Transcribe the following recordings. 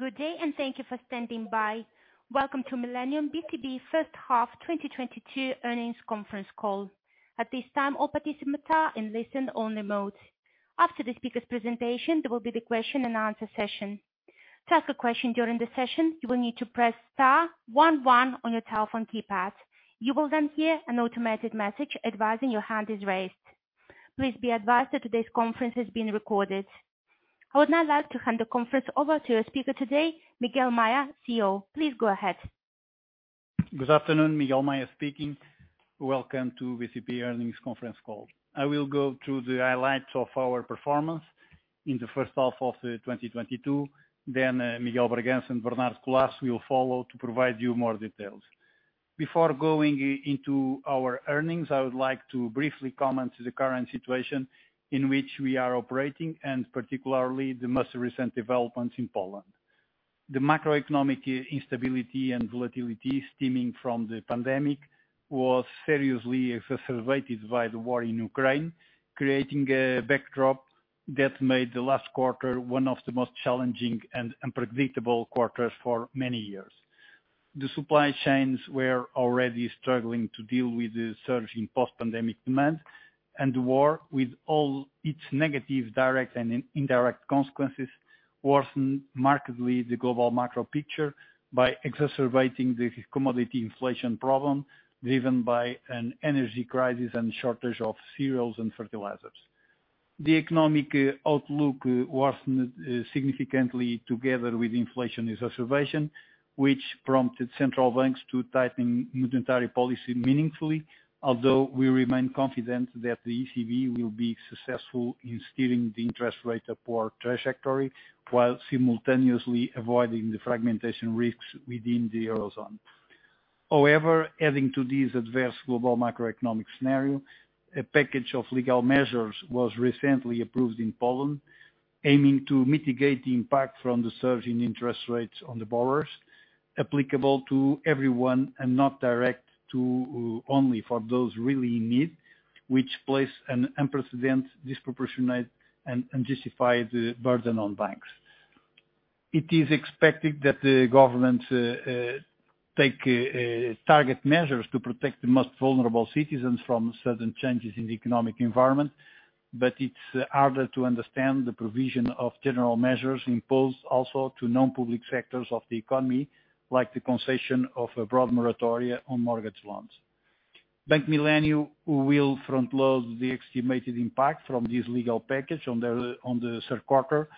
Good day, thank you for standing by. Welcome to Millennium bcp First Half 2022 Earnings Conference Call. At this time, all participants are in listen-only mode. After the speaker's presentation, there will be the question-and-answer session. To ask a question during the session, you will need to press star one one on your telephone keypad. You will then hear an automated message advising your hand is raised. Please be advised that today's conference is being recorded. I would now like to hand the conference over to our speaker today, Miguel Maya, CEO. Please go ahead. Good afternoon, Miguel Maya speaking. Welcome to BCP earnings conference call. I will go through the highlights of our performance in the first half of 2022, then Miguel de Bragança and Bernardo Collaço will follow to provide you more details. Before going into our earnings, I would like to briefly comment on the current situation in which we are operating, and particularly the most recent developments in Poland. The macroeconomic instability and volatility stemming from the pandemic was seriously exacerbated by the war in Ukraine, creating a backdrop that made the last quarter one of the most challenging and unpredictable quarters for many years. The supply chains were already struggling to deal with the surge in post-pandemic demand, and the war with all its negative, direct and indirect consequences, worsened markedly the global macro picture by exacerbating the commodity inflation problem, driven by an energy crisis and shortage of cereals and fertilizers. The economic outlook worsened, significantly together with inflation exacerbation, which prompted central banks to tighten monetary policy meaningfully. Although we remain confident that the ECB will be successful in steering the interest rate upward trajectory while simultaneously avoiding the fragmentation risks within the Eurozone. However, adding to this adverse global macroeconomic scenario, a package of legal measures was recently approved in Poland, aiming to mitigate the impact from the surge in interest rates on the borrowers applicable to everyone and not directed only to those really in need, which place an unprecedented, disproportionate and unjustified burden on banks. It is expected that the government take targeted measures to protect the most vulnerable citizens from sudden changes in the economic environment. It's harder to understand the provision of general measures imposed also to non-public sectors of the economy, like the concession of a broad moratoria on mortgage loans. Bank Millennium will front load the estimated impact from this legal package on the third quarter,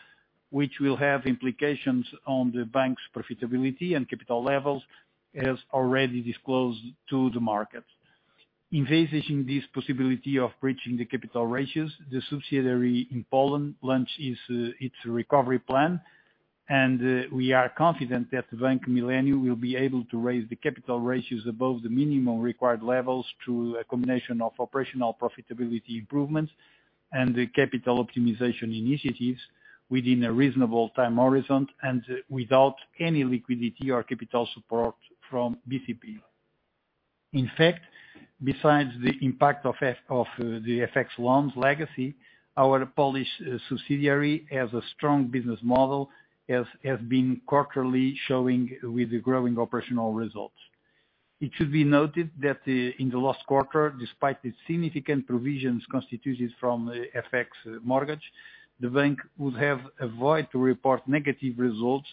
which will have implications on the bank's profitability and capital levels, as already disclosed to the market. In facing this possibility of breaching the capital ratios, the subsidiary in Poland launched its recovery plan. We are confident that Bank Millennium will be able to raise the capital ratios above the minimum required levels through a combination of operational profitability improvements and the capital optimization initiatives within a reasonable time horizon and without any liquidity or capital support from BCP. In fact, besides the impact of of the FX loans legacy, our Polish subsidiary has a strong business model, has been quarterly showing with the growing operational results. It should be noted that, in the last quarter, despite the significant provisions constituted from FX mortgage, the bank would have avoided to report negative results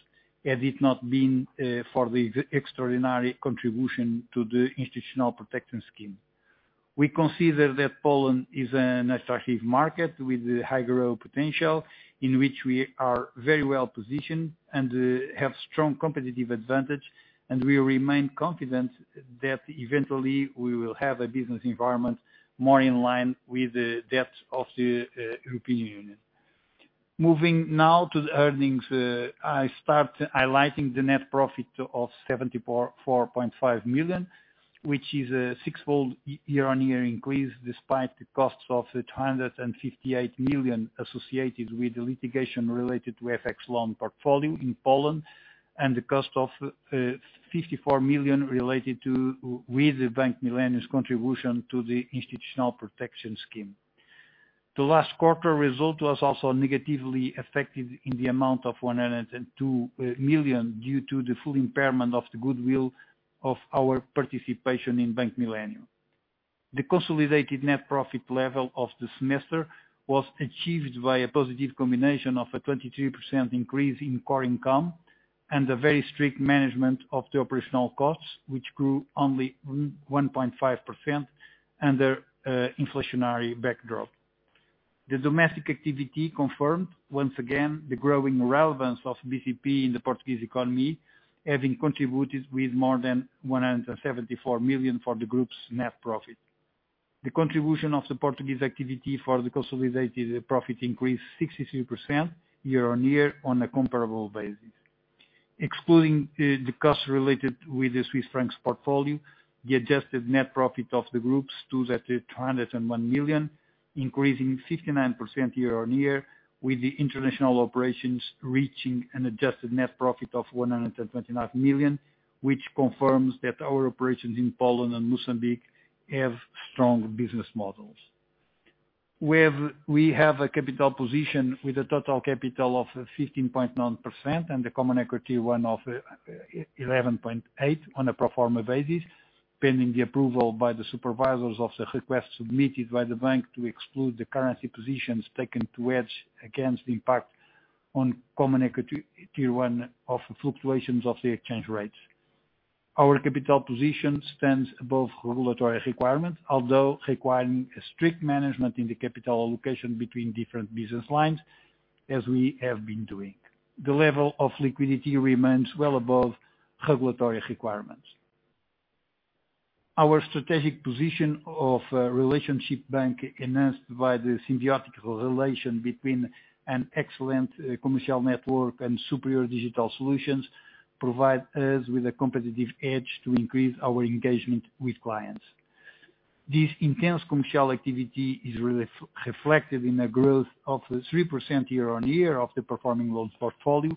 had it not been, for the extraordinary contribution to the Institutional Protection Scheme. We consider that Poland is an attractive market with high growth potential, in which we are very well positioned and, have strong competitive advantage. We remain confident that eventually we will have a business environment more in line with that of the European Union. Moving now to the earnings, I start highlighting the net profit of 74.5 million, which is a six-fold year-on-year increase, despite the costs of 258 million associated with the litigation related to FX loan portfolio in Poland and the cost of 54 million related to Bank Millennium's contribution to the Institutional Protection Scheme. The last quarter result was also negatively affected in the amount of 102 million due to the full impairment of the goodwill of our participation in Bank Millennium. The consolidated net profit level of the semester was achieved by a positive combination of a 22% increase in core income and a very strict management of the operational costs, which grew only 1.5% under inflationary backdrop. The domestic activity confirmed once again the growing relevance of BCP in the Portuguese economy, having contributed with more than 174 million for the group's net profit. The contribution of the Portuguese activity for the consolidated profit increased 63% year-on-year on a comparable basis. Excluding the costs related with the Swiss francs portfolio, the adjusted net profit of the group stood at 201 million, increasing 59% year-on-year, with the international operations reaching an adjusted net profit of 129 million, which confirms that our operations in Poland and Mozambique have strong business models. We have a capital position with a total capital of 15.9%, and the Common Equity Tier 1 of 11.8% on a pro forma basis, pending the approval by the supervisors of the request submitted by the bank to exclude the currency positions taken to hedge against the impact on Common Equity Tier 1 of fluctuations of the exchange rates. Our capital position stands above regulatory requirements, although requiring a strict management in the capital allocation between different business lines as we have been doing The level of liquidity remains well above regulatory requirements. Our strategic position of a relationship bank enhanced by the symbiotic relation between an excellent commercial network and superior digital solutions provide us with a competitive edge to increase our engagement with clients. This intense commercial activity is reflected in a growth of 3% year-on-year of the performing loans portfolio,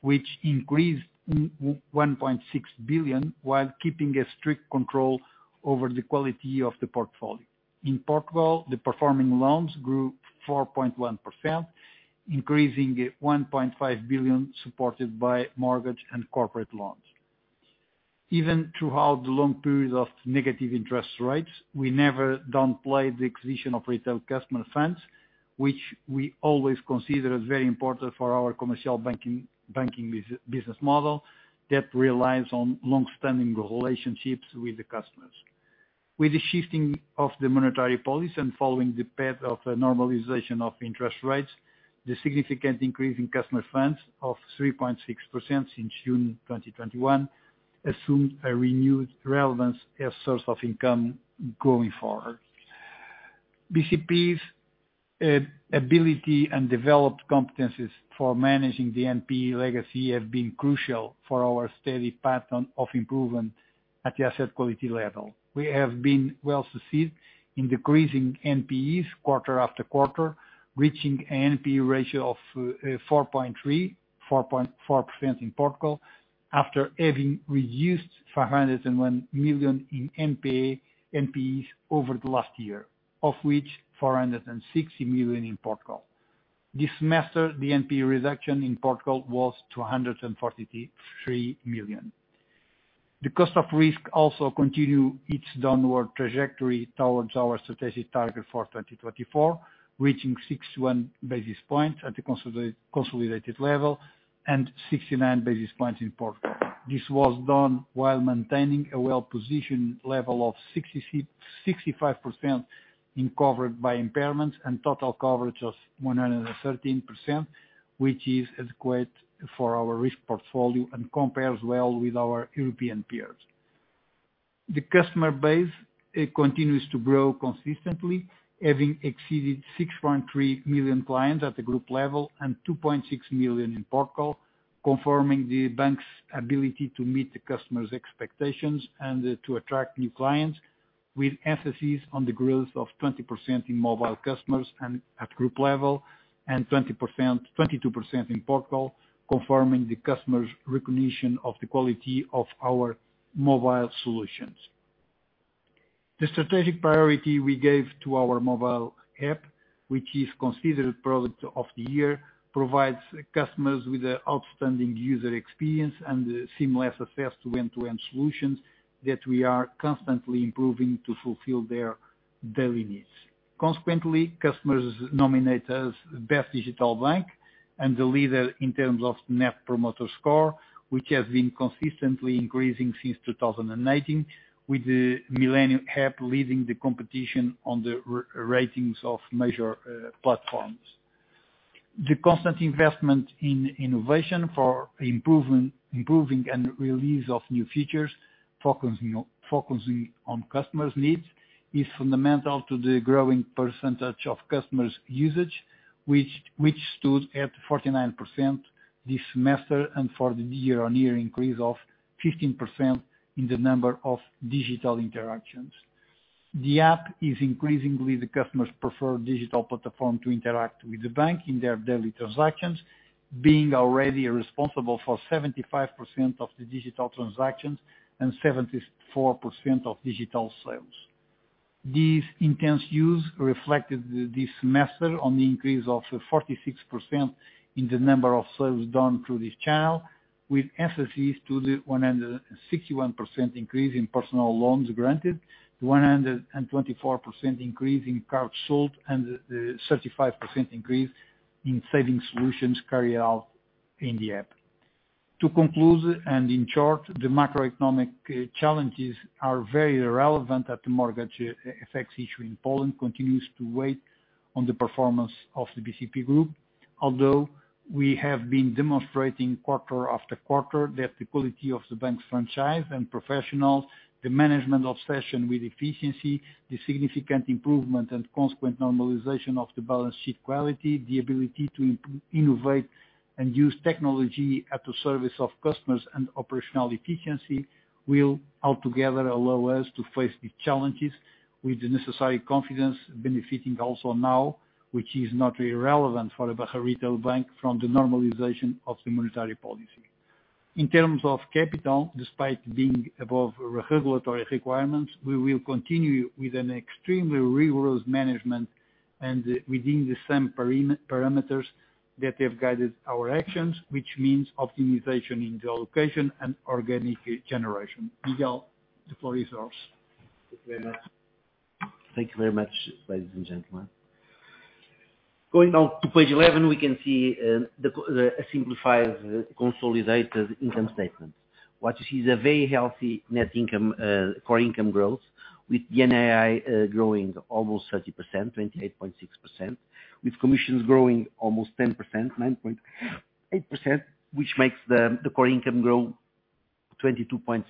which increased 1.6 billion while keeping a strict control over the quality of the portfolio. In Portugal, the performing loans grew 4.1%, increasing 1.5 billion, supported by mortgage and corporate loans. Even throughout the long periods of negative interest rates, we never downplayed the acquisition of retail customer funds, which we always consider as very important for our commercial banking business model that relies on long-standing relationships with the customers. With the shifting of the monetary policy and following the path of normalization of interest rates, the significant increase in customer funds of 3.6% since June 2021 assumed a renewed relevance as source of income going forward. BCP's ability and developed competencies for managing the NPE legacy have been crucial for our steady pattern of improvement at the asset quality level. We have been successful in decreasing NPEs quarter after quarter, reaching NPE ratio of 4.3%-4.4% in Portugal after having reduced 501 million in NPEs over the last year, of which 460 million in Portugal. This semester, the NPE reduction in Portugal was 243 million. The cost of risk also continues its downward trajectory towards our strategic target for 2024, reaching 61 basis points at the consolidated level and 69 basis points in Portugal. This was done while maintaining a well-positioned level of 65% in coverage by impairments and total coverage of 113%, which is adequate for our risk portfolio and compares well with our European peers. The customer base, it continues to grow consistently, having exceeded 6.3 million clients at the group level and 2.6 million in Portugal, confirming the bank's ability to meet the customers' expectations and to attract new clients with emphasis on the growth of 20% in mobile customers at group level and 22% in Portugal, confirming the customer's recognition of the quality of our mobile solutions. The strategic priority we gave to our mobile app, which is considered Product of the Year, provides customers with an outstanding user experience and seamless access to end-to-end solutions that we are constantly improving to fulfill their daily needs. Consequently, customers nominate us best digital bank and the leader in terms of Net Promoter Score, which has been consistently increasing since 2018, with the Millennium App leading the competition on the ratings of major platforms. The constant investment in innovation for improving and release of new features focusing on customers' needs is fundamental to the growing percentage of customers' usage which stood at 49% this semester and for the year-on-year increase of 15% in the number of digital interactions. The app is increasingly the customer's preferred digital platform to interact with the bank in their daily transactions, being already responsible for 75% of the digital transactions and 74% of digital sales. This intense use reflected this semester on the increase of 46% in the number of sales done through this channel, with emphasis to the 161% increase in personal loans granted, 124% increase in cards sold, and the 35% increase in savings solutions carried out in the app. To conclude, in short, the macroeconomic challenges are very relevant. The mortgage FX issue in Poland continues to weigh on the performance of the BCP Group, although we have been demonstrating quarter after quarter that the quality of the bank's franchise and professional, the management obsession with efficiency, the significant improvement and consequent normalization of the balance sheet quality, the ability to innovate and use technology at the service of customers and operational efficiency will altogether allow us to face the challenges with the necessary confidence benefiting also now, which is not irrelevant for a larger retail bank from the normalization of the monetary policy. In terms of capital, despite being above regulatory requirements, we will continue with an extremely rigorous management and within the same parameters that have guided our actions, which means optimization in the allocation and organic generation. Miguel, the floor is yours. Thank you very much. Thank you very much, ladies and gentlemen. Going on to page 11, we can see the simplified consolidated income statement. What you see is a very healthy net income, core income growth, with NII growing almost 30%, 28.6%, with commissions growing almost 10%, 9.8%, which makes the core income grow 22.7%.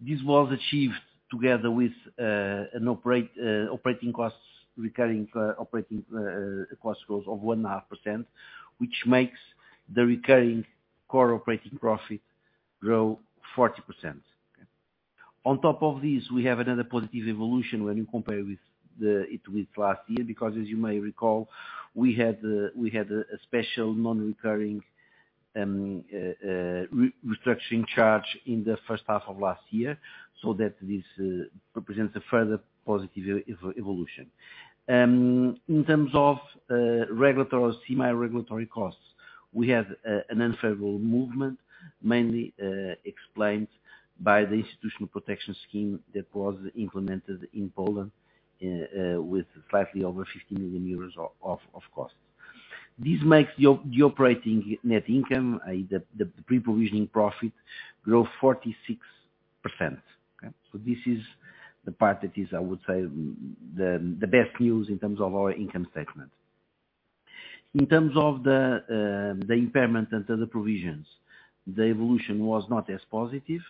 This was achieved together with operating costs, recurring operating cost growth of 1.5%, which makes the recurring core operating profit grow 40%. On top of this, we have another positive evolution when you compare it with last year, because as you may recall, we had a special non-recurring restructuring charge in the first half of last year, so that this represents a further positive evolution. In terms of regulatory semi-regulatory costs, we have an unfavorable movement, mainly explained by the Institutional Protection Scheme that was implemented in Poland with slightly over 50 million euros of cost. This makes the operating net income, the pre-provision profit grow 46%. This is the part that is, I would say, the best news in terms of our income statement. In terms of the impairment and other provisions, the evolution was not as positive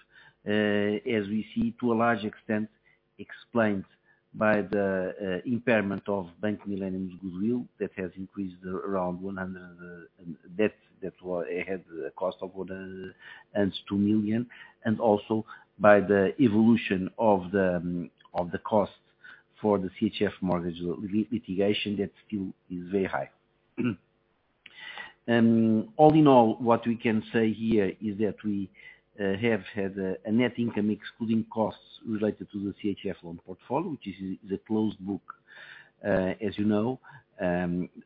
as we see to a large extent explained by the impairment of Bank Millennium's goodwill that has increased around 100 million, that had a cost of 102 million, and also by the evolution of the cost for the CHF mortgage litigation that still is very high. All in all, what we can say here is that we have had a net income excluding costs related to the CHF loan portfolio, which is a closed book, as you know,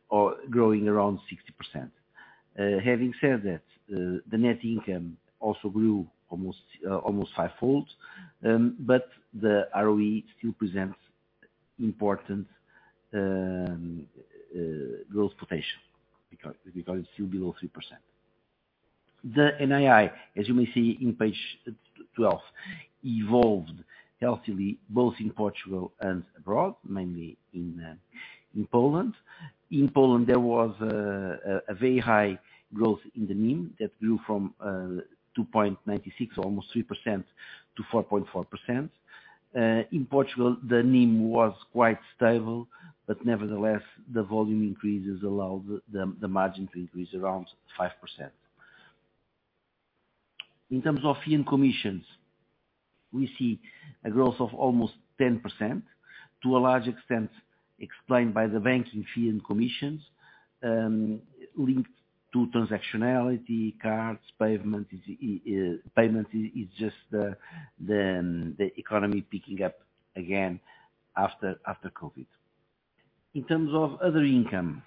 or growing around 60%. Having said that, the net income also grew almost five-fold, but the ROE still presents important growth potential because it's still below 3%. The NII, as you may see on page 12, evolved healthily both in Portugal and abroad, mainly in Poland. In Poland, there was a very high growth in the NIM that grew from 2.96%, almost 3% to 4.4%. In Portugal, the NIM was quite stable, but nevertheless, the volume increases allowed the margin to increase around 5%. In terms of fees and commissions, we see a growth of almost 10%, to a large extent explained by the bank's fees and commissions linked to transactionality, cards, payments, just the economy picking up again after COVID. In terms of other income,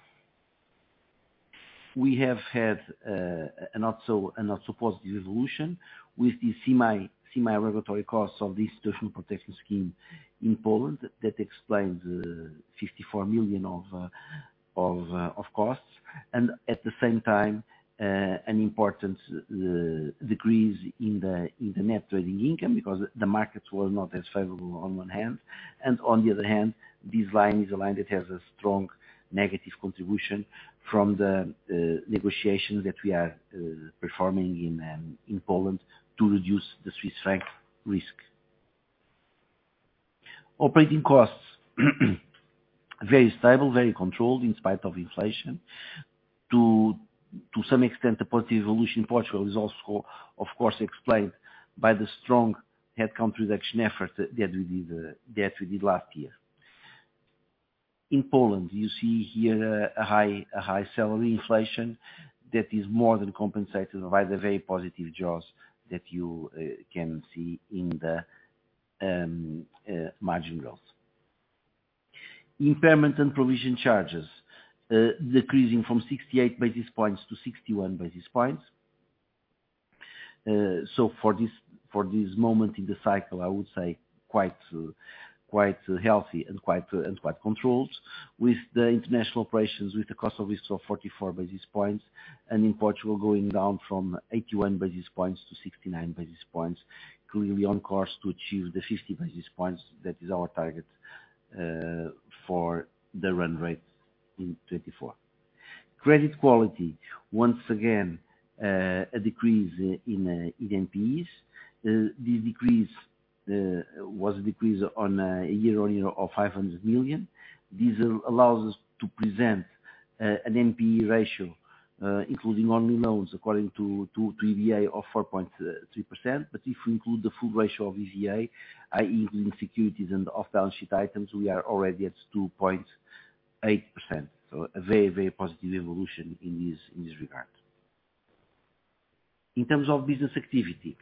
we have had a not so positive evolution with the semi-regulatory costs of the institutional protection scheme in Poland. That explains 54 million of costs. At the same time, an important decrease in the net trading income because the markets were not as favorable on one hand, and on the other hand, this line is a line that has a strong negative contribution from the negotiations that we are performing in Poland to reduce the Swiss franc risk. Operating costs, very stable, very controlled in spite of inflation. To some extent, the positive evolution in Portugal is also, of course, explained by the strong headcount reduction effort that we did last year. In Poland, you see here a high salary inflation that is more than compensated by the very positive jaws that you can see in the margin growth. Impairment and provision charges decreasing from 68 basis points to 61 basis points. For this moment in the cycle, I would say quite healthy and quite controlled with the international operations with the cost of risks of 44 basis points, and in Portugal, going down from 81 basis points to 69 basis points, clearly on course to achieve the 50 basis points. That is our target for the run rate in 2024. Credit quality, once again, a decrease in NPEs. This decrease was a decrease on a year-on-year of 500 million. This allows us to present an NPE ratio including only loans according to EBA of 4.3%. If we include the full ratio of EBA, i.e., including securities and off-balance sheet items, we are already at 2.8%. A very positive evolution in this regard. In terms of business activity,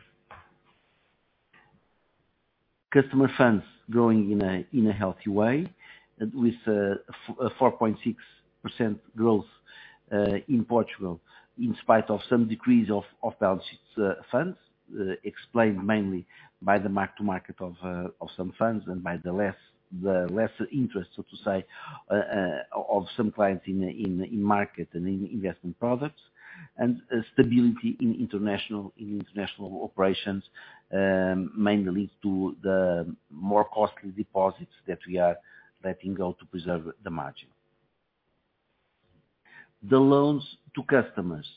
customer funds growing in a healthy way with 4.6% growth in Portugal in spite of some decrease of balances, funds, explained mainly by the mark to market of some funds and by the lesser interest, so to say, of some clients in market and in investment products. Stability in international operations, mainly due to the more costly deposits that we are letting go to preserve the margin. The loans to customers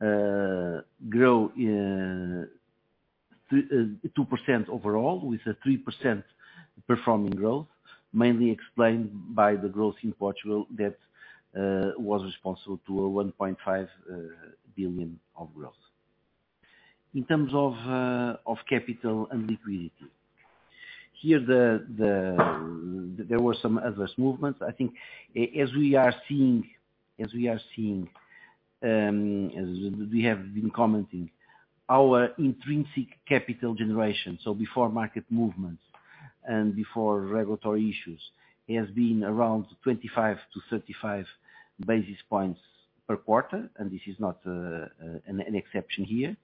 grow 2% overall with a 3% performing growth, mainly explained by the growth in Portugal that was responsible for 1.5 billion of growth. In terms of capital and liquidity. Here there were some adverse movements. I think as we have been commenting, our intrinsic capital generation, so before market movements and before regulatory issues, has been around 25-35 basis points per quarter, and this is not an exception here.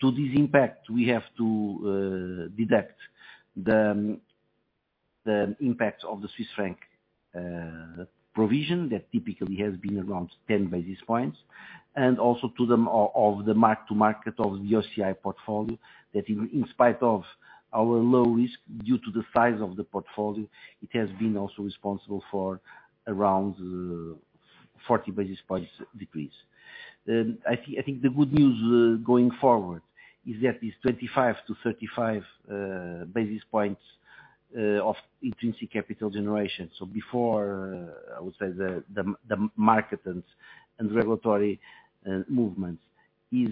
To this impact, we have to deduct the impact of the Swiss franc provision that typically has been around 10 basis points, and also the mark to market of the OCI portfolio that, in spite of our low risk, due to the size of the portfolio, it has been also responsible for around 40 basis points decrease. I think the good news going forward is that this 25-35 basis points of intrinsic capital generation, so before, I would say the market and regulatory movements is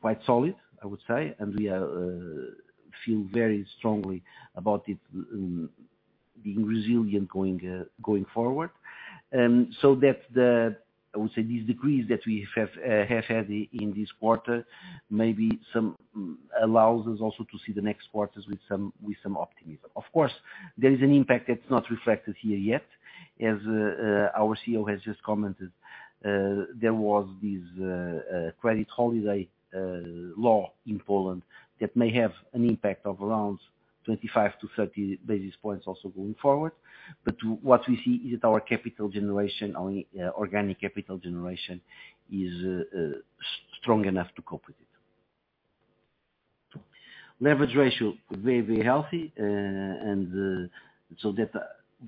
quite solid, I would say. We feel very strongly about it being resilient going forward. I would say these degrees that we have had in this quarter maybe somewhat allows us also to see the next quarters with some optimism. Of course, there is an impact that's not reflected here yet. As our CEO has just commented, there was this credit holiday law in Poland that may have an impact of around 25-30 basis points also going forward. What we see is that our capital generation, organic capital generation is strong enough to cope with it. Leverage ratio, very, very healthy.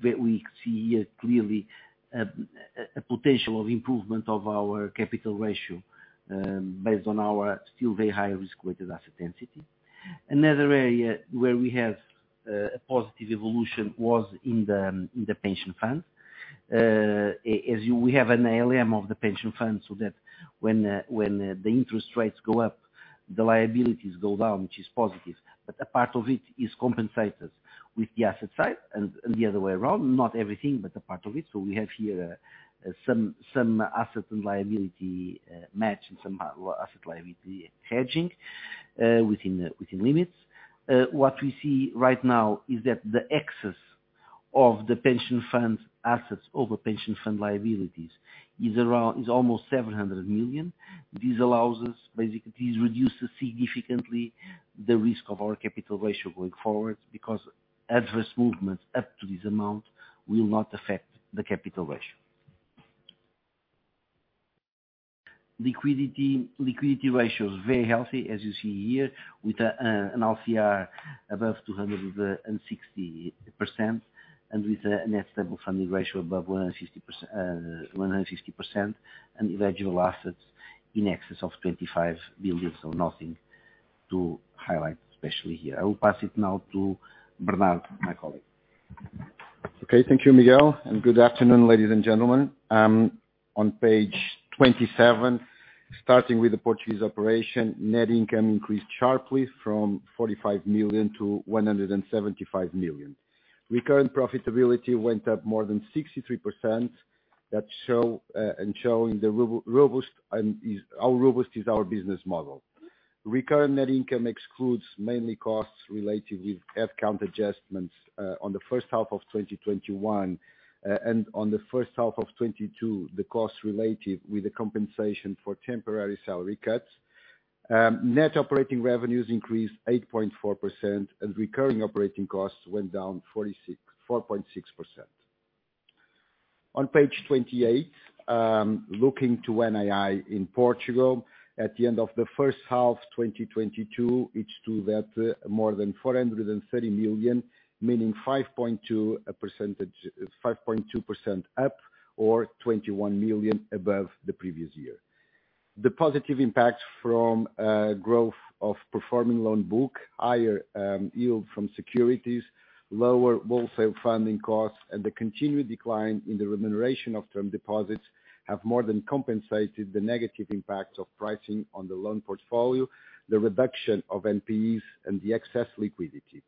We see here clearly a potential of improvement of our capital ratio, based on our still very high risk-weighted asset density. Another area where we have a positive evolution was in the pension fund. As we have an ALM of the pension fund, so that when the interest rates go up, the liabilities go down, which is positive. A part of it is compensated with the asset side and the other way around. Not everything, but a part of it. We have here some asset and liability match and some asset liability hedging within limits. What we see right now is that the excess of the pension fund assets over pension fund liabilities is almost 700 million. This allows us, basically, this reduces significantly the risk of our capital ratio going forward because adverse movements up to this amount will not affect the capital ratio. Liquidity, liquidity ratio is very healthy, as you see here, with an LCR above 260% and with a Net Stable Funding Ratio above 150%, and eligible assets in excess of 25 billion. Nothing to highlight, especially here. I will pass it now to Bernardo Collaço. Okay, thank you, Miguel. Good afternoon, ladies and gentlemen. On page 27, starting with the Portuguese operation, net income increased sharply from 45 million to 175 million. Recurrent profitability went up more than 63%, showing how robust our business model is. Recurrent net income excludes mainly costs related with headcount adjustments on the first half of 2021. On the first half of 2022, the costs related with the compensation for temporary salary cuts. Net operating revenues increased 8.4% and recurring operating costs went down 4.6%. On page 28, looking to NII in Portugal at the end of the first half 2022, it's true that more than 430 million, meaning 5.2 percentage, 5.2% up or 21 million above the previous year. The positive impact from growth of performing loan book, higher yield from securities, lower wholesale funding costs, and the continued decline in the remuneration of term deposits have more than compensated the negative impacts of pricing on the loan portfolio, the reduction of NPEs, and the excess liquidity.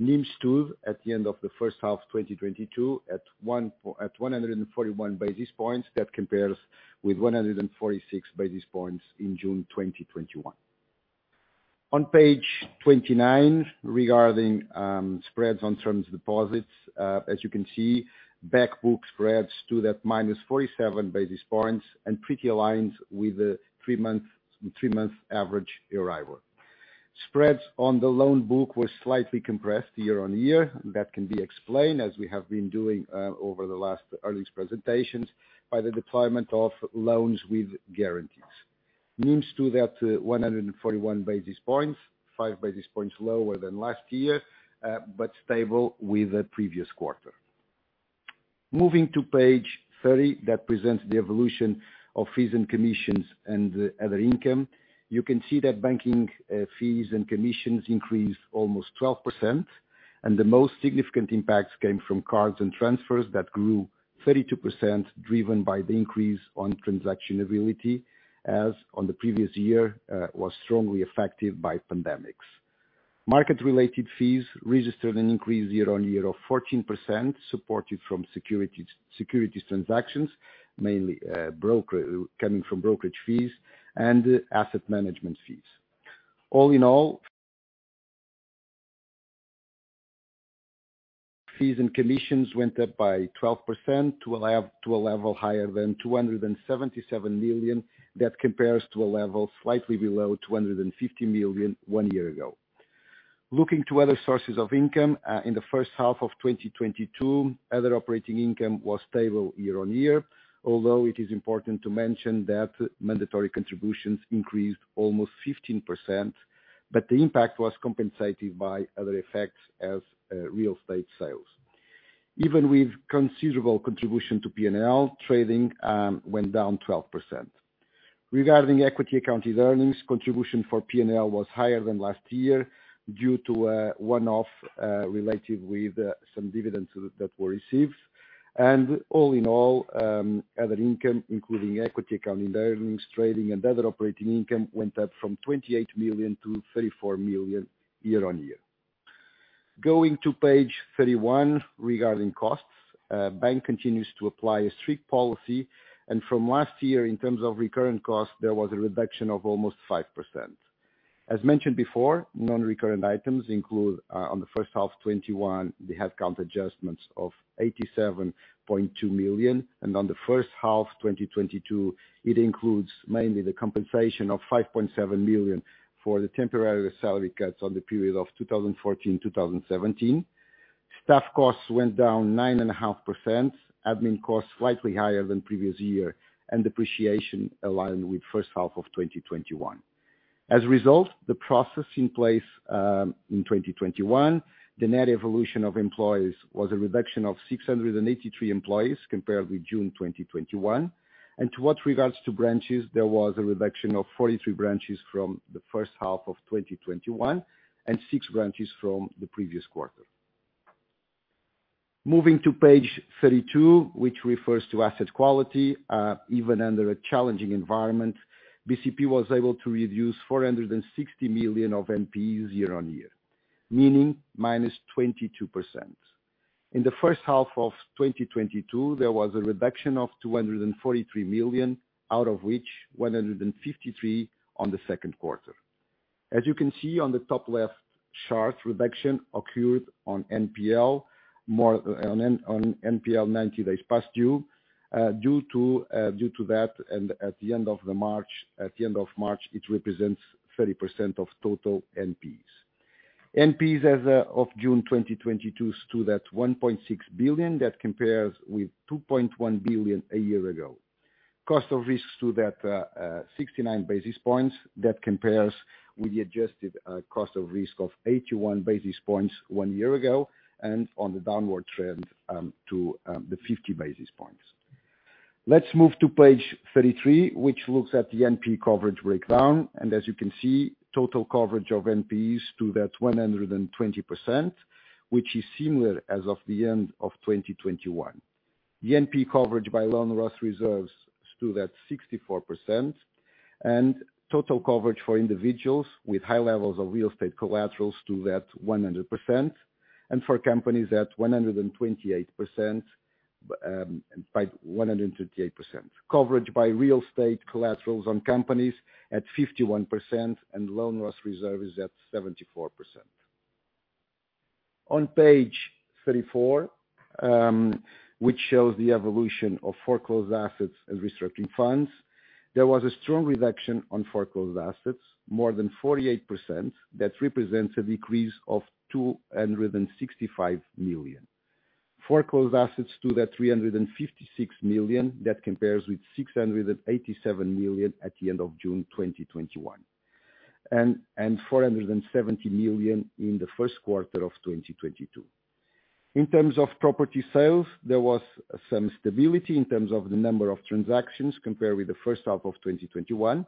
NIMs stood at the end of the first half 2022 at 141 basis points. That compares with 146 basis points in June 2021. On page 29, regarding spreads on term deposits, as you can see, back book spreads stood at -47 basis points and pretty aligned with the three months average year-over-year. Spreads on the loan book were slightly compressed year-on-year. That can be explained, as we have been doing, over the last earnings presentations, by the deployment of loans with guarantees. NIMs stood at 141 basis points, 5 basis points lower than last year, but stable with the previous quarter. Moving to page 30, that presents the evolution of fees and commissions and other income. You can see that banking fees and commissions increased almost 12%, and the most significant impacts came from cards and transfers that grew 32%, driven by the increase in transaction activity, as in the previous year was strongly affected by the pandemic. Market-related fees registered an increase year-on-year of 14%, supported by securities transactions, mainly coming from brokerage fees and asset management fees. All in all, fees and commissions went up by 12% to a level higher than 277 million. That compares to a level slightly below 250 million one year ago. Looking to other sources of income, in the first half of 2022, other operating income was stable year-on-year, although it is important to mention that mandatory contributions increased almost 15%, but the impact was compensated by other effects as real estate sales. Even with considerable contribution to P&L, trading went down 12%. Regarding equity-accounted earnings, contribution for P&L was higher than last year due to a one-off related with some dividends that were received. All in all, other income, including equity-accounted earnings, trading, and other operating income, went up from 28 million to 34 million year-on-year. Going to page 31, regarding costs, bank continues to apply a strict policy, and from last year, in terms of recurrent costs, there was a reduction of almost 5%. As mentioned before, non-recurrent items include on the first half 2021, the headcount adjustments of 87.2 million, and on the first half 2022, it includes mainly the compensation of 5.7 million for the temporary salary cuts on the period of 2014, 2017. Staff costs went down 9.5%. Admin costs slightly higher than previous year, and depreciation aligned with first half of 2021. As a result, the process in place in 2021, the net evolution of employees was a reduction of 683 employees compared with June 2021. As regards branches, there was a reduction of 43 branches from the first half of 2021 and six branches from the previous quarter. Moving to page 32, which refers to asset quality, even under a challenging environment, BCP was able to reduce 460 million of NPEs year-on-year, meaning -22%. In the first half of 2022, there was a reduction of 243 million, out of which 153 million on the second quarter. As you can see on the top left chart, reduction occurred on NPL more, on NPL 90 days past due to that and at the end of March, it represents 30% of total NPEs. NPEs as of June 2022 stood at 1.6 billion. That compares with 2.1 billion a year ago. Cost of risk stood at 69 basis points. That compares with the adjusted cost of risk of 81 basis points one year ago and on the downward trend to the 50 basis points. Let's move to page 33, which looks at the NPE coverage breakdown. As you can see, total coverage of NPEs stood at 120%, which is similar as of the end of 2021. The NPE coverage by loan loss reserves stood at 64%, and total coverage for individuals with high levels of real estate collaterals stood at 100%, and for companies at 128%. Coverage by real estate collaterals on companies at 51%, and loan loss reserve is at 74%. On page 34, which shows the evolution of foreclosed assets and restructuring funds, there was a strong reduction on foreclosed assets, more than 48%. That represents a decrease of 265 million. Foreclosed assets stood at 356 million. That compares with 687 million at the end of June 2021, and 470 million in the first quarter of 2022. In terms of property sales, there was some stability in terms of the number of transactions compared with the first half of 2021,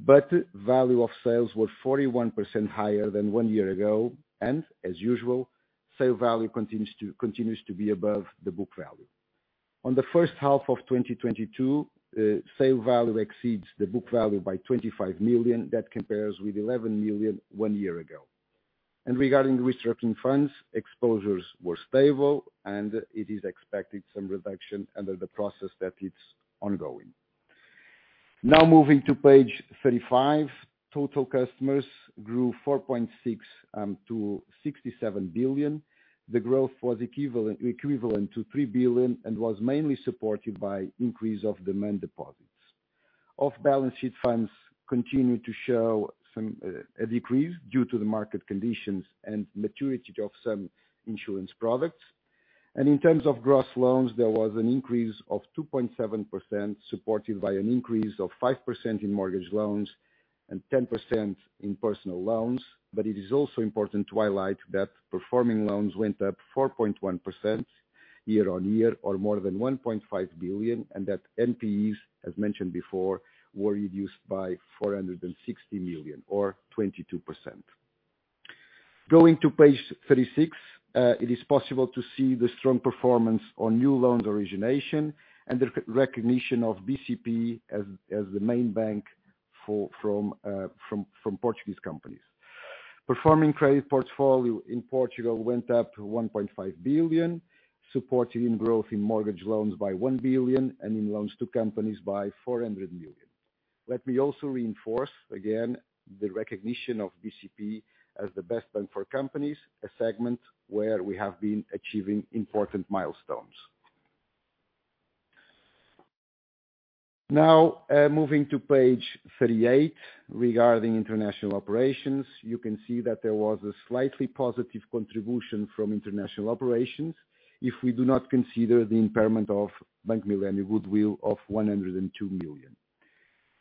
but value of sales were 41% higher than one year ago and, as usual, sale value continues to be above the book value. On the first half of 2022, sale value exceeds the book value by 25 million. That compares with 11 million one year ago. Regarding the restructuring funds, exposures were stable and it is expected some reduction under the process that it's ongoing. Now moving to page 35, total customers grew 4.6% to 67 billion. The growth was equivalent to 3 billion and was mainly supported by increase of demand deposits. Off-balance sheet funds continued to show some a decrease due to the market conditions and maturity of some insurance products. In terms of gross loans, there was an increase of 2.7% supported by an increase of 5% in mortgage loans and 10% in personal loans. It is also important to highlight that performing loans went up 4.1% year-on-year or more than 1.5 billion, and that NPEs, as mentioned before, were reduced by 460 million or 22%. Going to page 36, it is possible to see the strong performance on new loans origination and the recognition of BCP as the main bank for Portuguese companies. Performing credit portfolio in Portugal went up to 1.5 billion, supporting growth in mortgage loans by 1 billion and in loans to companies by 400 million. Let me also reinforce again the recognition of BCP as the best bank for companies, a segment where we have been achieving important milestones. Now, moving to page 38 regarding international operations, you can see that there was a slightly positive contribution from international operations if we do not consider the impairment of Bank Millennium goodwill of 102 million.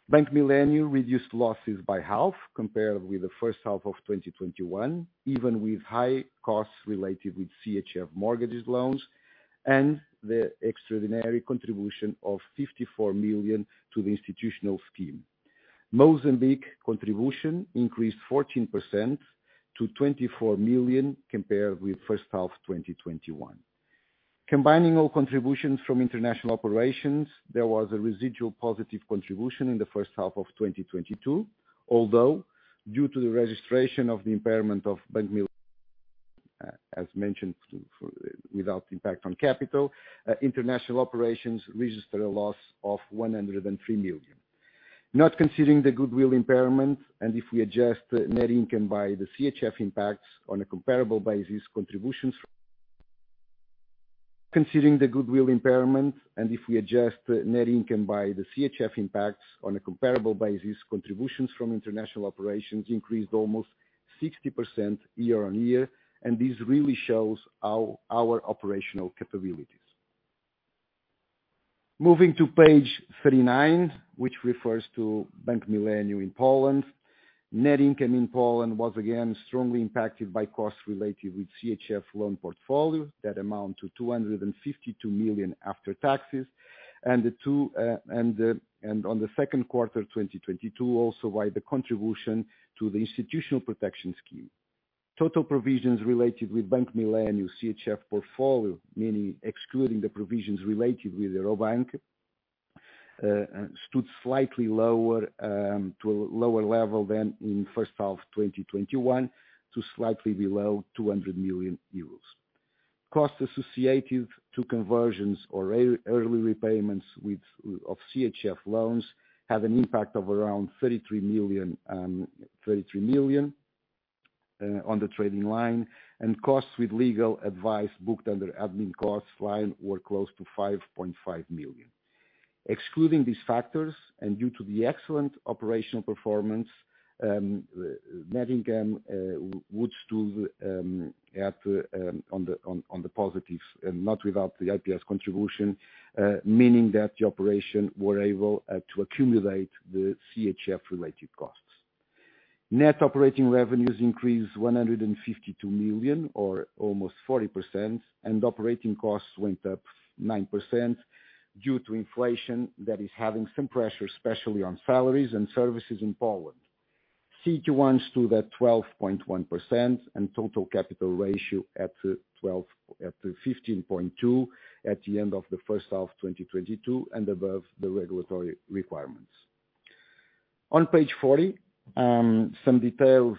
Bank Millennium reduced losses by half compared with the first half of 2021, even with high costs related with CHF mortgage loans and the extraordinary contribution of 54 million to the institutional scheme. Mozambique contribution increased 14% to 24 million compared with first half 2021. Combining all contributions from international operations, there was a residual positive contribution in the first half of 2022. Although, due to the registration of the impairment of Bank Millennium, as mentioned, therefore, without impact on capital, international operations registered a loss of 103 million. Considering the goodwill impairment, and if we adjust net income by the CHF impacts on a comparable basis, contributions from international operations increased almost 60% year-on-year, and this really shows our operational capabilities. Moving to page 39, which refers to Bank Millennium in Poland. Net income in Poland was again strongly impacted by costs related with CHF loan portfolio. That amount to 252 million after taxes, and in the second quarter 2022, also by the contribution to the Institutional Protection Scheme. Total provisions related with Bank Millennium CHF portfolio, meaning excluding the provisions related with Eurobank, stood slightly lower to a lower level than in first half 2021 to slightly below 200 million euros. Costs associated to conversions or early repayments of CHF loans have an impact of around 33 million on the trading line, and costs with legal advice booked under admin costs line were close to 5.5 million. Excluding these factors and due to the excellent operational performance, net income would stood at on the positives and not without the IPS contribution, meaning that the operation were able to accumulate the CHF related costs. Net operating revenues increased 152 million or almost 40%, and operating costs went up 9% due to inflation that is having some pressure, especially on salaries and services in Poland. CT1 stood at 12.1% and total capital ratio at 12%, at 15.2% at the end of the first half 2022 and above the regulatory requirements. On page 40, some details,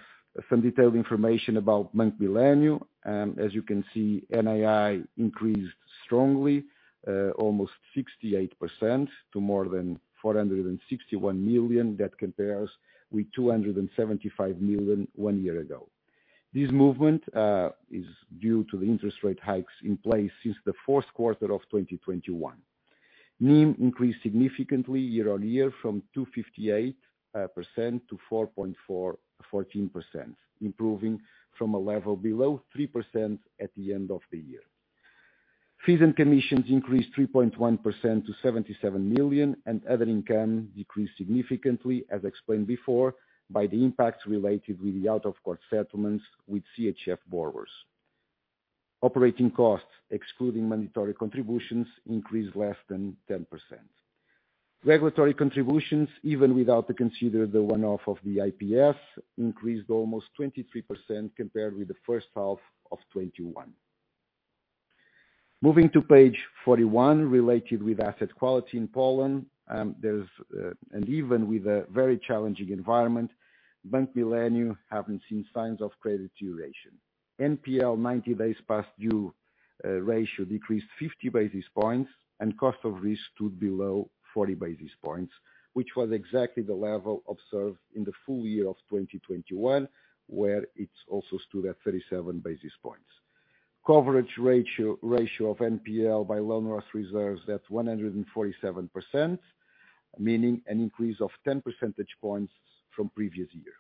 some detailed information about Bank Millennium. As you can see, NII increased strongly, almost 68% to more than 461 million. That compares with 275 million one year ago. This movement is due to the interest rate hikes in place since the fourth quarter of 2021. NIM increased significantly year-over-year from 2.58% to 4.414%, improving from a level below 3% at the end of the year. Fees and commissions increased 3.1% to 77 million, and other income decreased significantly, as explained before, by the impacts related with the out-of-court settlements with CHF borrowers. Operating costs, excluding mandatory contributions, increased less than 10%. Regulatory contributions, even without considering the one-off of the IPS, increased almost 23% compared with the first half of 2021. Moving to page 41, related with asset quality in Poland, even with a very challenging environment, Bank Millennium hasn't seen signs of credit deterioration. NPL 90 days past due ratio decreased 50 basis points, and cost of risk stood below 40 basis points, which was exactly the level observed in the full year of 2021, where it also stood at 37 basis points. Coverage ratio of NPL by loan loss reserves at 147%, meaning an increase of 10 percentage points from previous year.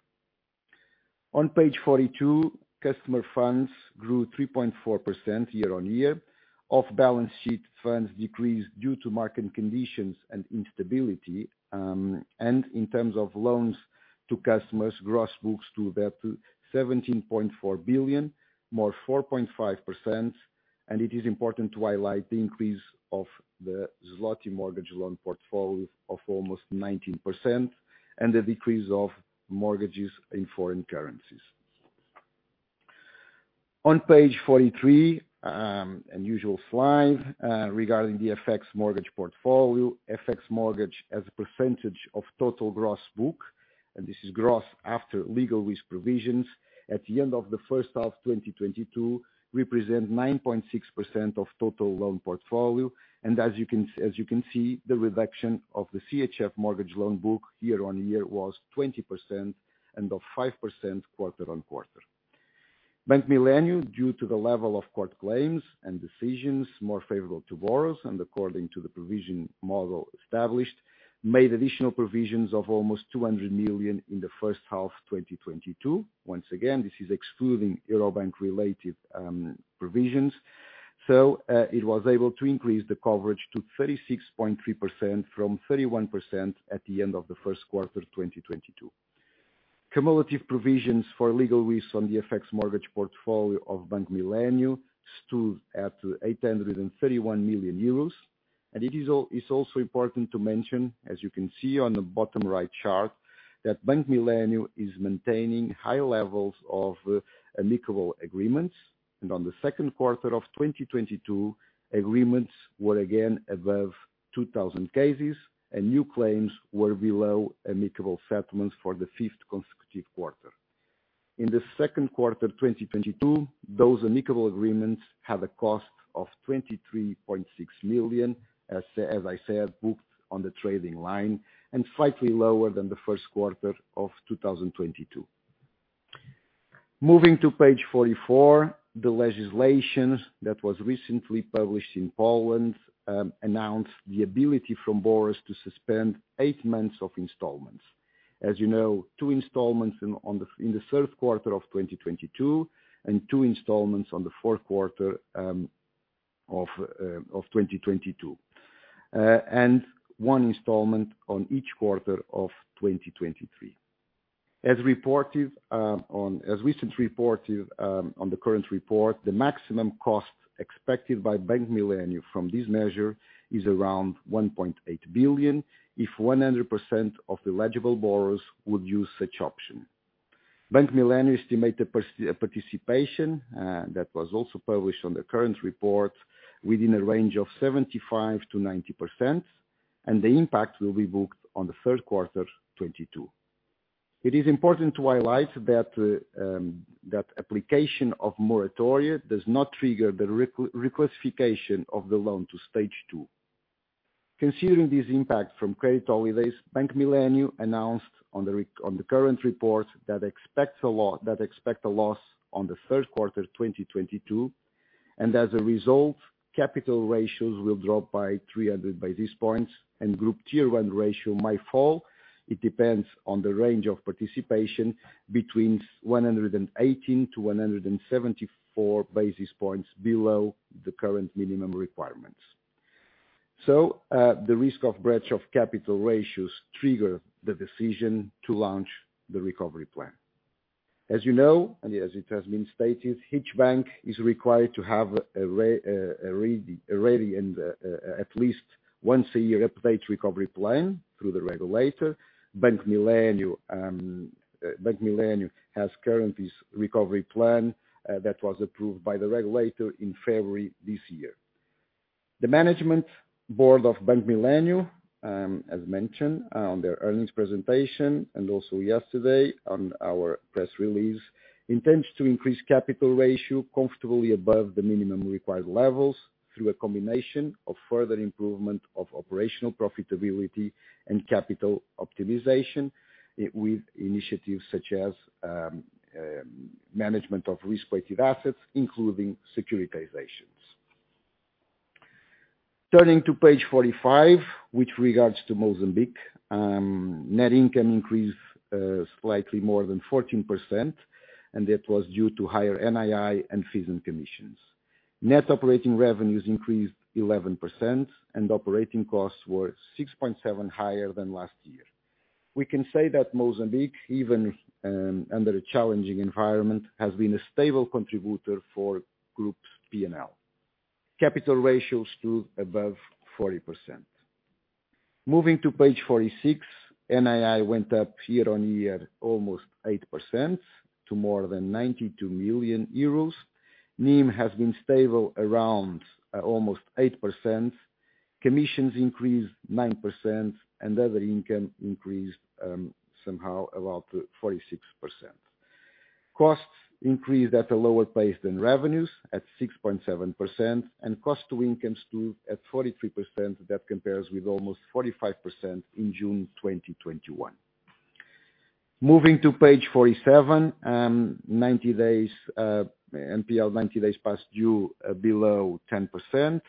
On page 42, customer funds grew 3.4% year-on-year. Off-balance sheet funds decreased due to market conditions and instability. In terms of loans to customers, gross books to about 17.4 billion, more 4.5%. It is important to highlight the increase of the zloty mortgage loan portfolio of almost 19% and the decrease of mortgages in foreign currencies. On page 43, unusual slide regarding the FX mortgage portfolio. FX mortgage as a percentage of total gross book, and this is gross after legal risk provisions. At the end of the first half 2022, represent 9.6% of total loan portfolio, and as you can see, the reduction of the CHF mortgage loan book year-on-year was 20% and 5% quarter-on-quarter. Bank Millennium, due to the level of court claims and decisions more favorable to borrowers and according to the provision model established, made additional provisions of almost 200 million in the first half 2022. Once again, this is excluding Eurobank-related provisions. It was able to increase the coverage to 36.3% from 31% at the end of the first quarter 2022. Cumulative provisions for legal risk on the FX mortgage portfolio of Bank Millennium stood at 831 million euros. It is also important to mention, as you can see on the bottom right chart, that Bank Millennium is maintaining high levels of amicable agreements, and on the second quarter of 2022, agreements were again above 2,000 cases, and new claims were below amicable settlements for the fifth consecutive quarter. In the second quarter, 2022, those amicable agreements had a cost of 23.6 million, as I said, booked on the trading line, and slightly lower than the first quarter of 2022. Moving to page 44, the legislation that was recently published in Poland announced the ability for borrowers to suspend eight months of installments. As you know, two installments in the third quarter of 2022 and two installments on the fourth quarter of 2022. One installment on each quarter of 2023. As recently reported on the current report, the maximum cost expected by Bank Millennium from this measure is around 1.8 billion, if 100% of the eligible borrowers would use such option. Bank Millennium estimated participation that was also published on the current report, within a range of 75%-90%, and the impact will be booked on the third quarter 2022. It is important to highlight that application of moratoria does not trigger the reclassification of the loan to Stage 2. Considering this impact from credit holidays, Bank Millennium announced on the current report that expects a loss in the third quarter 2022, and as a result, capital ratios will drop by 300 basis points, and Group Tier 1 ratio might fall. It depends on the range of participation between 118 and 174 basis points below the current minimum requirements. The risk of breach of capital ratios triggers the decision to launch the recovery plan. As you know, and as it has been stated, each bank is required to have a recovery plan and, at least once a year, update recovery plan through the regulator. Bank Millennium has a current recovery plan that was approved by the regulator in February this year. The management board of Bank Millennium, as mentioned on their earnings presentation and also yesterday on our press release, intends to increase capital ratio comfortably above the minimum required levels through a combination of further improvement of operational profitability and capital optimization, with initiatives such as management of risk-weighted assets, including securitizations. Turning to page 45, with regard to Mozambique, net income increased slightly more than 14%, and that was due to higher NII and fees and commissions. Net operating revenues increased 11%, and operating costs were 6.7% higher than last year. We can say that Mozambique, even under a challenging environment, has been a stable contributor for the group's P&L. Capital ratios stood above 40%. Moving to page 46, NII went up year-on-year almost 8% to more than 92 million euros. NIM has been stable around almost 8%. Commissions increased 9% and other income increased somehow about 46%. Costs increased at a lower pace than revenues, at 6.7%, and cost to income stood at 43%. That compares with almost 45% in June 2021. Moving to page 47, 90 days NPL 90 days past due below 10%,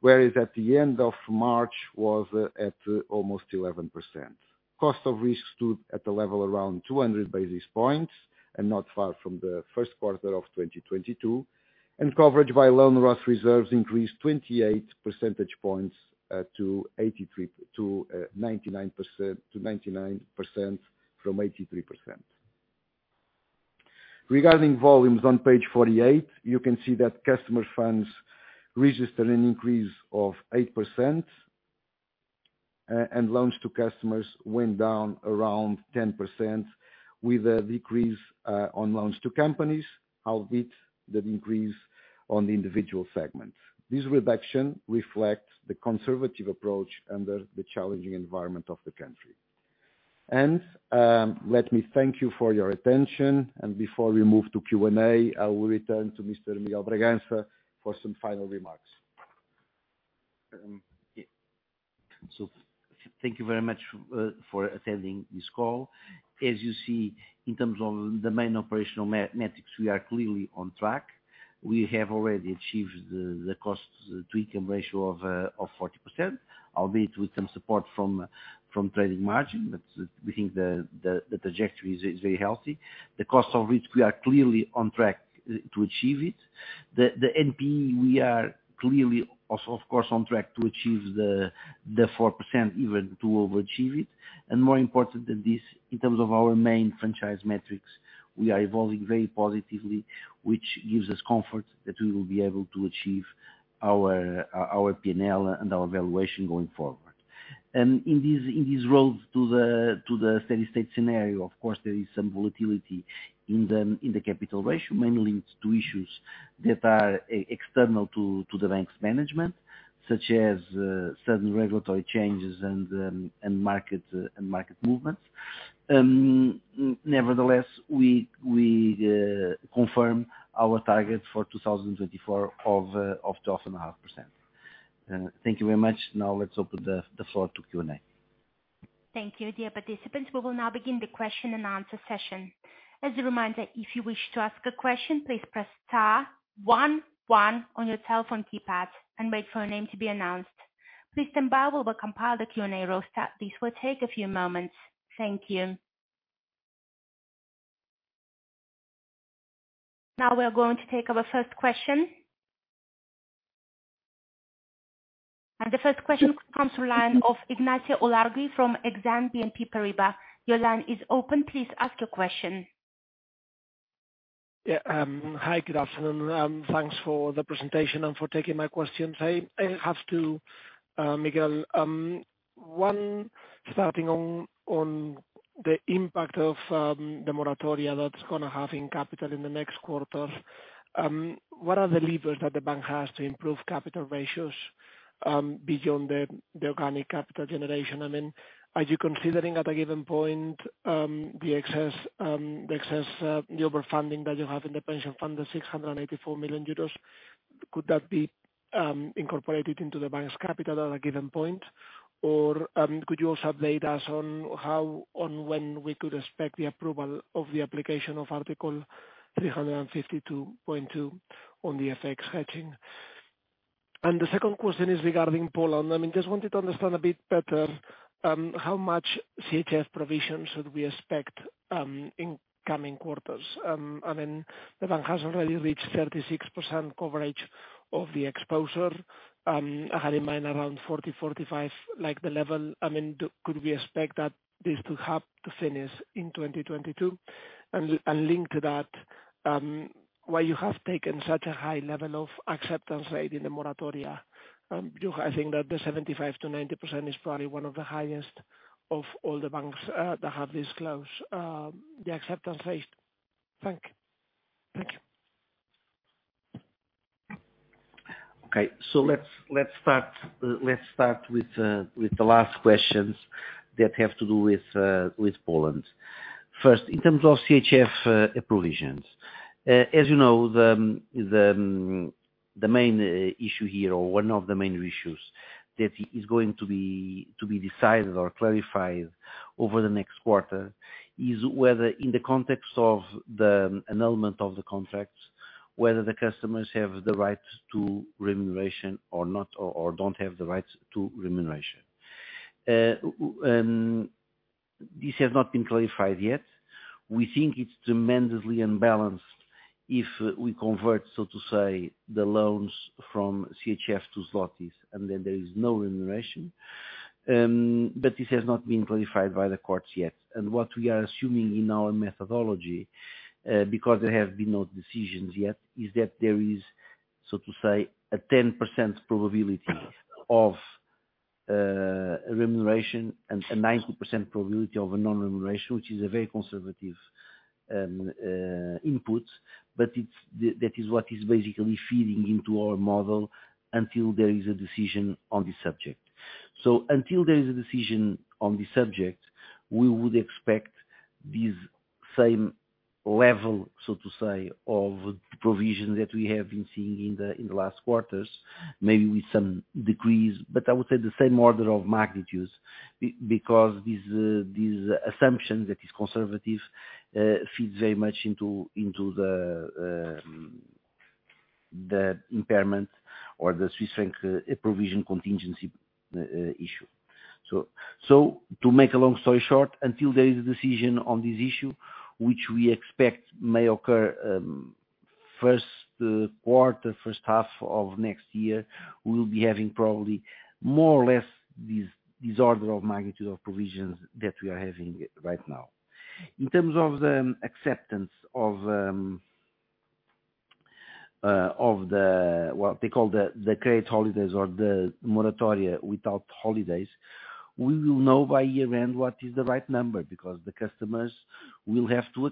whereas at the end of March was at almost 11%. Cost of risk stood at a level around 200 basis points and not far from the first quarter of 2022, and coverage by loan loss reserves increased 28 percentage points to 99% from 83%. Regarding volumes on page 48, you can see that customer funds registered an increase of 8%, and loans to customers went down around 10% with a decrease on loans to companies, albeit the increase on the individual segment. This reduction reflects the conservative approach under the challenging environment of the country. Let me thank you for your attention. Before we move to Q&A, I will return to Mr. Miguel Bragança for some final remarks. Yeah. Thank you very much for attending this call. As you see, in terms of the main operational metrics, we are clearly on track. We have already achieved the cost to income ratio of 40%, albeit with some support from trading margin. We think the trajectory is very healthy. The cost of which we are clearly on track to achieve it. The NPE, we are clearly also of course on track to achieve the 4% even to overachieve it. More important than this, in terms of our main franchise metrics, we are evolving very positively, which gives us comfort that we will be able to achieve our P&L and our valuation going forward. In these roads to the steady state scenario, of course, there is some volatility in the capital ratio, mainly linked to issues that are external to the bank's management, such as certain regulatory changes and market movements. Nevertheless, we confirm our target for 2024 of 2.5%. Thank you very much. Now let's open the floor to Q&A. Thank you, dear participants. We will now begin the question-and-answer session. As a reminder, if you wish to ask a question, please press star one one on your telephone keypad and wait for a name to be announced. Please stand by. We will compile the Q&A roster. This will take a few moments. Thank you. Now we are going to take our first question. The first question comes to line of Ignacio Ulargui from Exane BNP Paribas. Your line is open. Please ask your question. Yeah. Hi, good afternoon. Thanks for the presentation and for taking my questions. I have to, Miguel, one starting on the impact of the moratoria that's gonna have in capital in the next quarters, what are the levers that the bank has to improve capital ratios beyond the organic capital generation? Then are you considering at a given point the overfunding that you have in the pension fund, 684 million euros, could that be incorporated into the bank's capital at a given point? Or could you also update us on how and when we could expect the approval of the application of Article 352.2 on the FX hedging? The second question is regarding Poland. I mean, just wanted to understand a bit better how much CHF provisions should we expect in coming quarters. I mean, the bank has already reached 36% coverage of the exposure. I had in mind around 40%, 45%, like the level. Could we expect that this will have to finish in 2022? Linked to that, why you have taken such a high level of acceptance rate in the moratoria? I think that the 75%-90% is probably one of the highest of all the banks that have disclosed the acceptance rates. Thank you. Thank you. Okay. Let's start with the last questions that have to do with Poland. First, in terms of CHF provisions, as you know, the main issue here or one of the main issues that is going to be decided or clarified over the next quarter is whether in the context of the annulment of the contracts, whether the customers have the right to remuneration or not, or don't have the right to remuneration. This has not been clarified yet. We think it's tremendously unbalanced if we convert, so to say, the loans from CHF to zlotys, and then there is no remuneration. This has not been clarified by the courts yet. What we are assuming in our methodology, because there have been no decisions yet, is that there is, so to say, a 10% probability of remuneration and a 90% probability of a non-remuneration, which is a very conservative input, but that is what is basically feeding into our model until there is a decision on this subject. Until there is a decision on this subject, we would expect this same level, so to say, of provision that we have been seeing in the last quarters, maybe with some decrease. I would say the same order of magnitudes because this assumption that is conservative feeds very much into the impairment or the Swiss franc provision contingency issue. To make a long story short, until there is a decision on this issue, which we expect may occur first quarter, first half of next year, we will be having probably more or less this order of magnitude of provisions that we are having right now. In terms of the acceptance of what they call the credit holidays or the moratoria without holidays, we will know by year-end what is the right number, because the customers will have to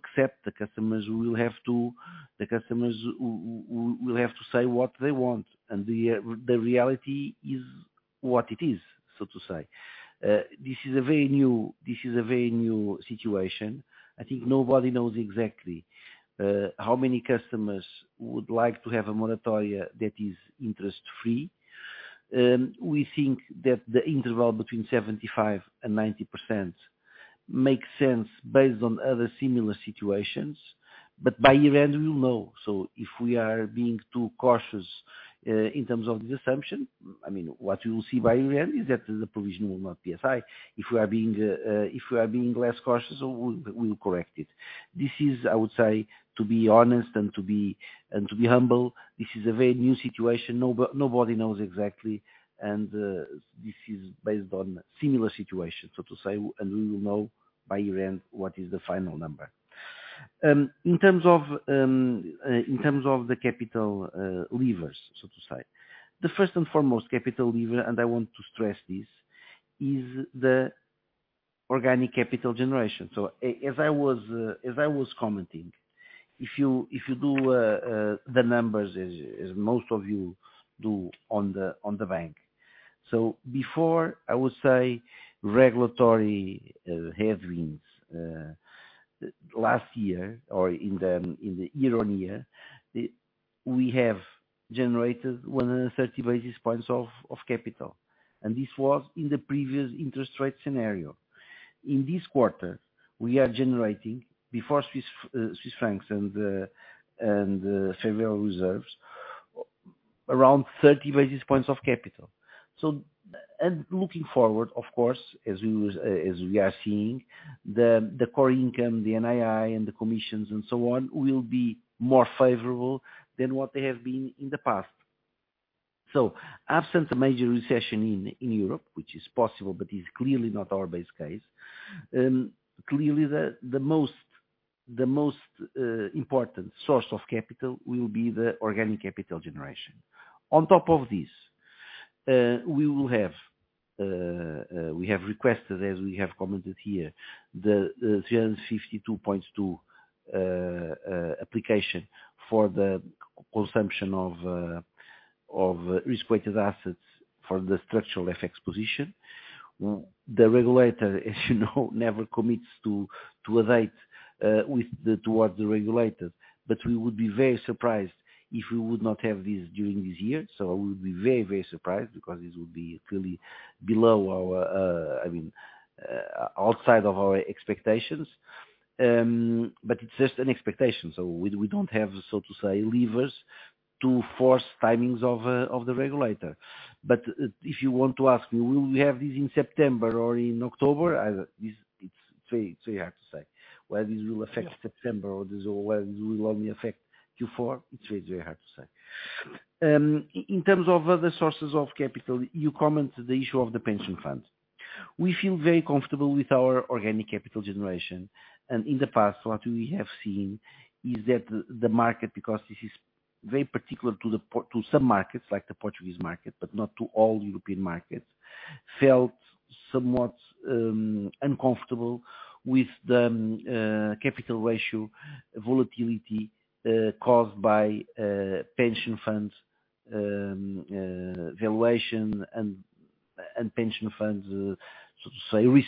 say what they want. The reality is what it is, so to say. This is a very new situation. I think nobody knows exactly how many customers would like to have a moratoria that is interest-free. We think that the interval between 75% and 90% makes sense based on other similar situations, but by year-end we will know. If we are being too cautious, in terms of this assumption, I mean, what we will see by year-end is that the provision will not be as high. If we are being less cautious, we will correct it. This is, I would say, to be honest and to be humble, this is a very new situation. Nobody knows exactly, and this is based on similar situations, so to say, and we will know by year-end what is the final number. In terms of the capital levers, so to say, the first and foremost capital lever, and I want to stress this, is the organic capital generation. As I was commenting, if you do the numbers as most of you do on the bank. Before, I would say regulatory headwinds last year or in the year-on-year, we have generated 130 basis points of capital, and this was in the previous interest rate scenario. In this quarter, we are generating, before Swiss francs and FX reserves, around 30 basis points of capital. Looking forward, of course, as we are seeing, the core income, the NII and the commissions and so on will be more favorable than what they have been in the past. Absent a major recession in Europe, which is possible, but is clearly not our base case, clearly the most important source of capital will be the organic capital generation. On top of this, we have requested, as we have commented here, the Article 352.2 application for the consumption of risk-weighted assets for the structural FX position. The regulator, as you know, never commits to a date to the regulators, but we would be very surprised if we would not have this during this year. We would be very surprised because this would be really below our, I mean, outside of our expectations. But it's just an expectation. We don't have, so to say, levers to force timings of the regulator. If you want to ask me, will we have this in September or in October? It's very hard to say. Whether this will affect September or whether this will only affect Q4, it's very hard to say. In terms of other sources of capital, you commented on the issue of the pension funds. We feel very comfortable with our organic capital generation. In the past, what we have seen is that the market, because this is very particular to some markets, like the Portuguese market, but not to all European markets, felt somewhat uncomfortable with the capital ratio volatility caused by pension funds valuation and pension funds, so to say, risk.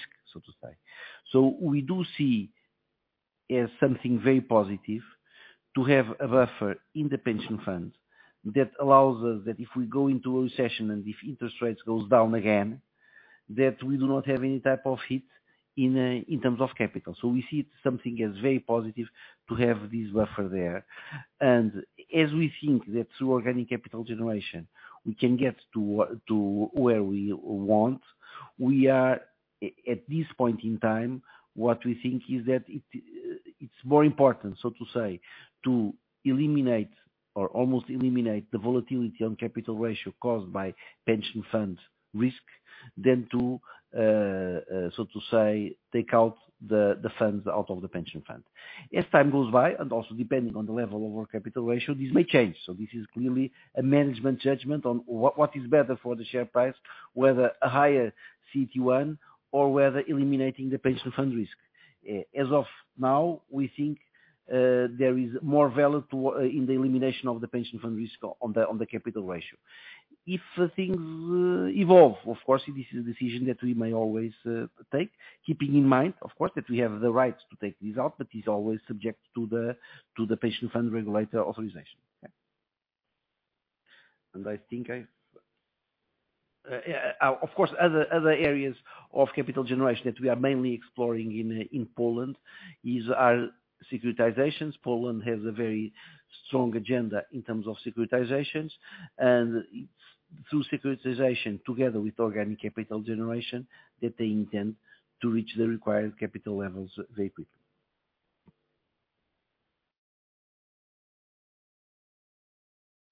We do see as something very positive to have a buffer in the pension funds that allows us that if we go into a recession and if interest rates goes down again, that we do not have any type of hit in terms of capital. We see it something as very positive to have this buffer there. As we think that through organic capital generation, we can get to where we want. We are at this point in time, what we think is that it's more important, so to say, to eliminate or almost eliminate the volatility on capital ratio caused by pension fund risk than to, so to say, take out the funds out of the pension fund. As time goes by, and also depending on the level of our capital ratio, this may change. This is clearly a management judgment on what is better for the share price, whether a higher CET1 or whether eliminating the pension fund risk. As of now, we think there is more value in the elimination of the pension fund risk on the capital ratio. If things evolve, of course, this is a decision that we may always take, keeping in mind, of course, that we have the rights to take this out, but it's always subject to the pension fund regulator authorization. Okay. Other areas of capital generation that we are mainly exploring in Poland is our securitizations. Poland has a very strong agenda in terms of securitizations, and it's through securitization, together with organic capital generation that they intend to reach the required capital levels very quickly.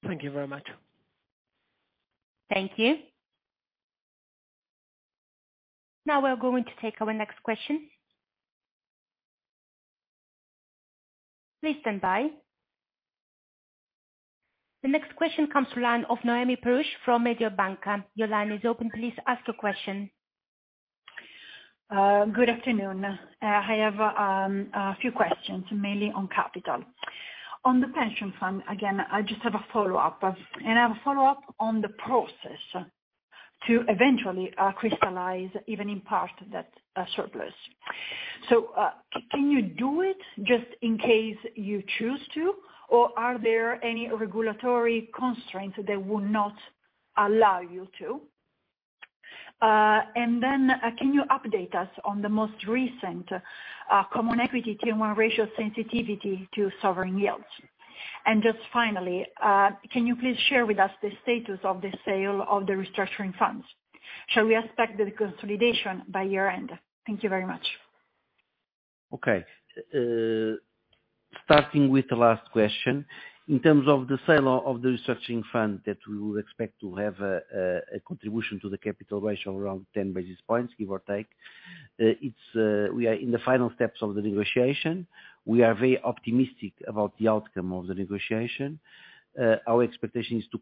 Thank you very much. Thank you. Now we're going to take our next question. Please stand by. The next question comes to line of Noemi Peruch from Mediobanca. Your line is open. Please ask your question. Good afternoon. I have a few questions, mainly on capital. On the pension fund, again, I just have a follow-up on the process to eventually crystallize even in part that surplus. Can you do it just in case you choose to, or are there any regulatory constraints that would not allow you to? Can you update us on the most recent Common Equity Tier 1 ratio sensitivity to sovereign yields? Can you please share with us the status of the sale of the restructuring funds? Shall we expect the consolidation by year-end? Thank you very much. Okay. Starting with the last question. In terms of the sale of the restructuring fund that we would expect to have a contribution to the capital ratio around 10 basis points, give or take. We are in the final steps of the negotiation. We are very optimistic about the outcome of the negotiation. Our expectation is to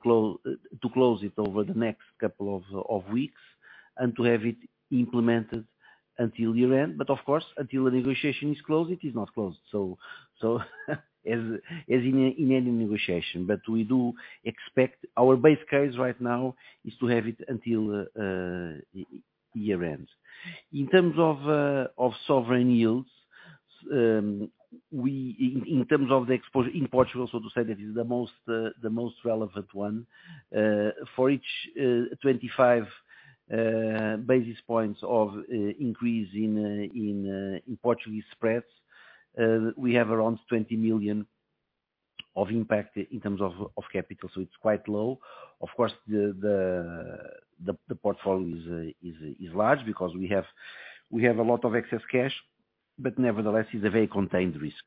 close it over the next couple of weeks and to have it implemented until year-end. Of course, until the negotiation is closed, it is not closed. As in any negotiation. We do expect, our base case right now is to have it until year-end. In terms of sovereign yields, we in terms of the exposure in Portugal, so to say, that is the most relevant one, for each 25 basis points of increase in Portuguese spreads, we have around 20 million of impact in terms of capital, so it's quite low. Of course, the portfolio is large because we have a lot of excess cash. Nevertheless, it's a very contained risk.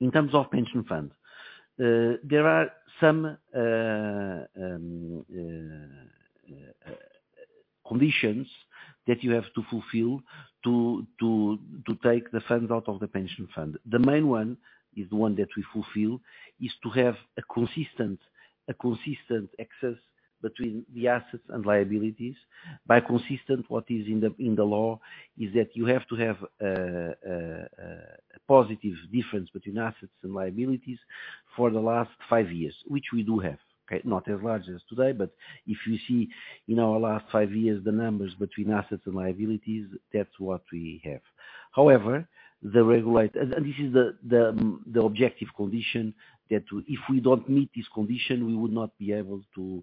In terms of pension funds, there are some conditions that you have to fulfill to take the funds out of the pension fund. The main one is the one that we fulfill, is to have a consistent excess between the assets and liabilities. Consistent with what is in the law is that you have to have a positive difference between assets and liabilities for the last five years, which we do have. Okay, not as large as today, but if you see in our last five years, the numbers between assets and liabilities, that's what we have. This is the objective condition that if we don't meet this condition, we would not be able to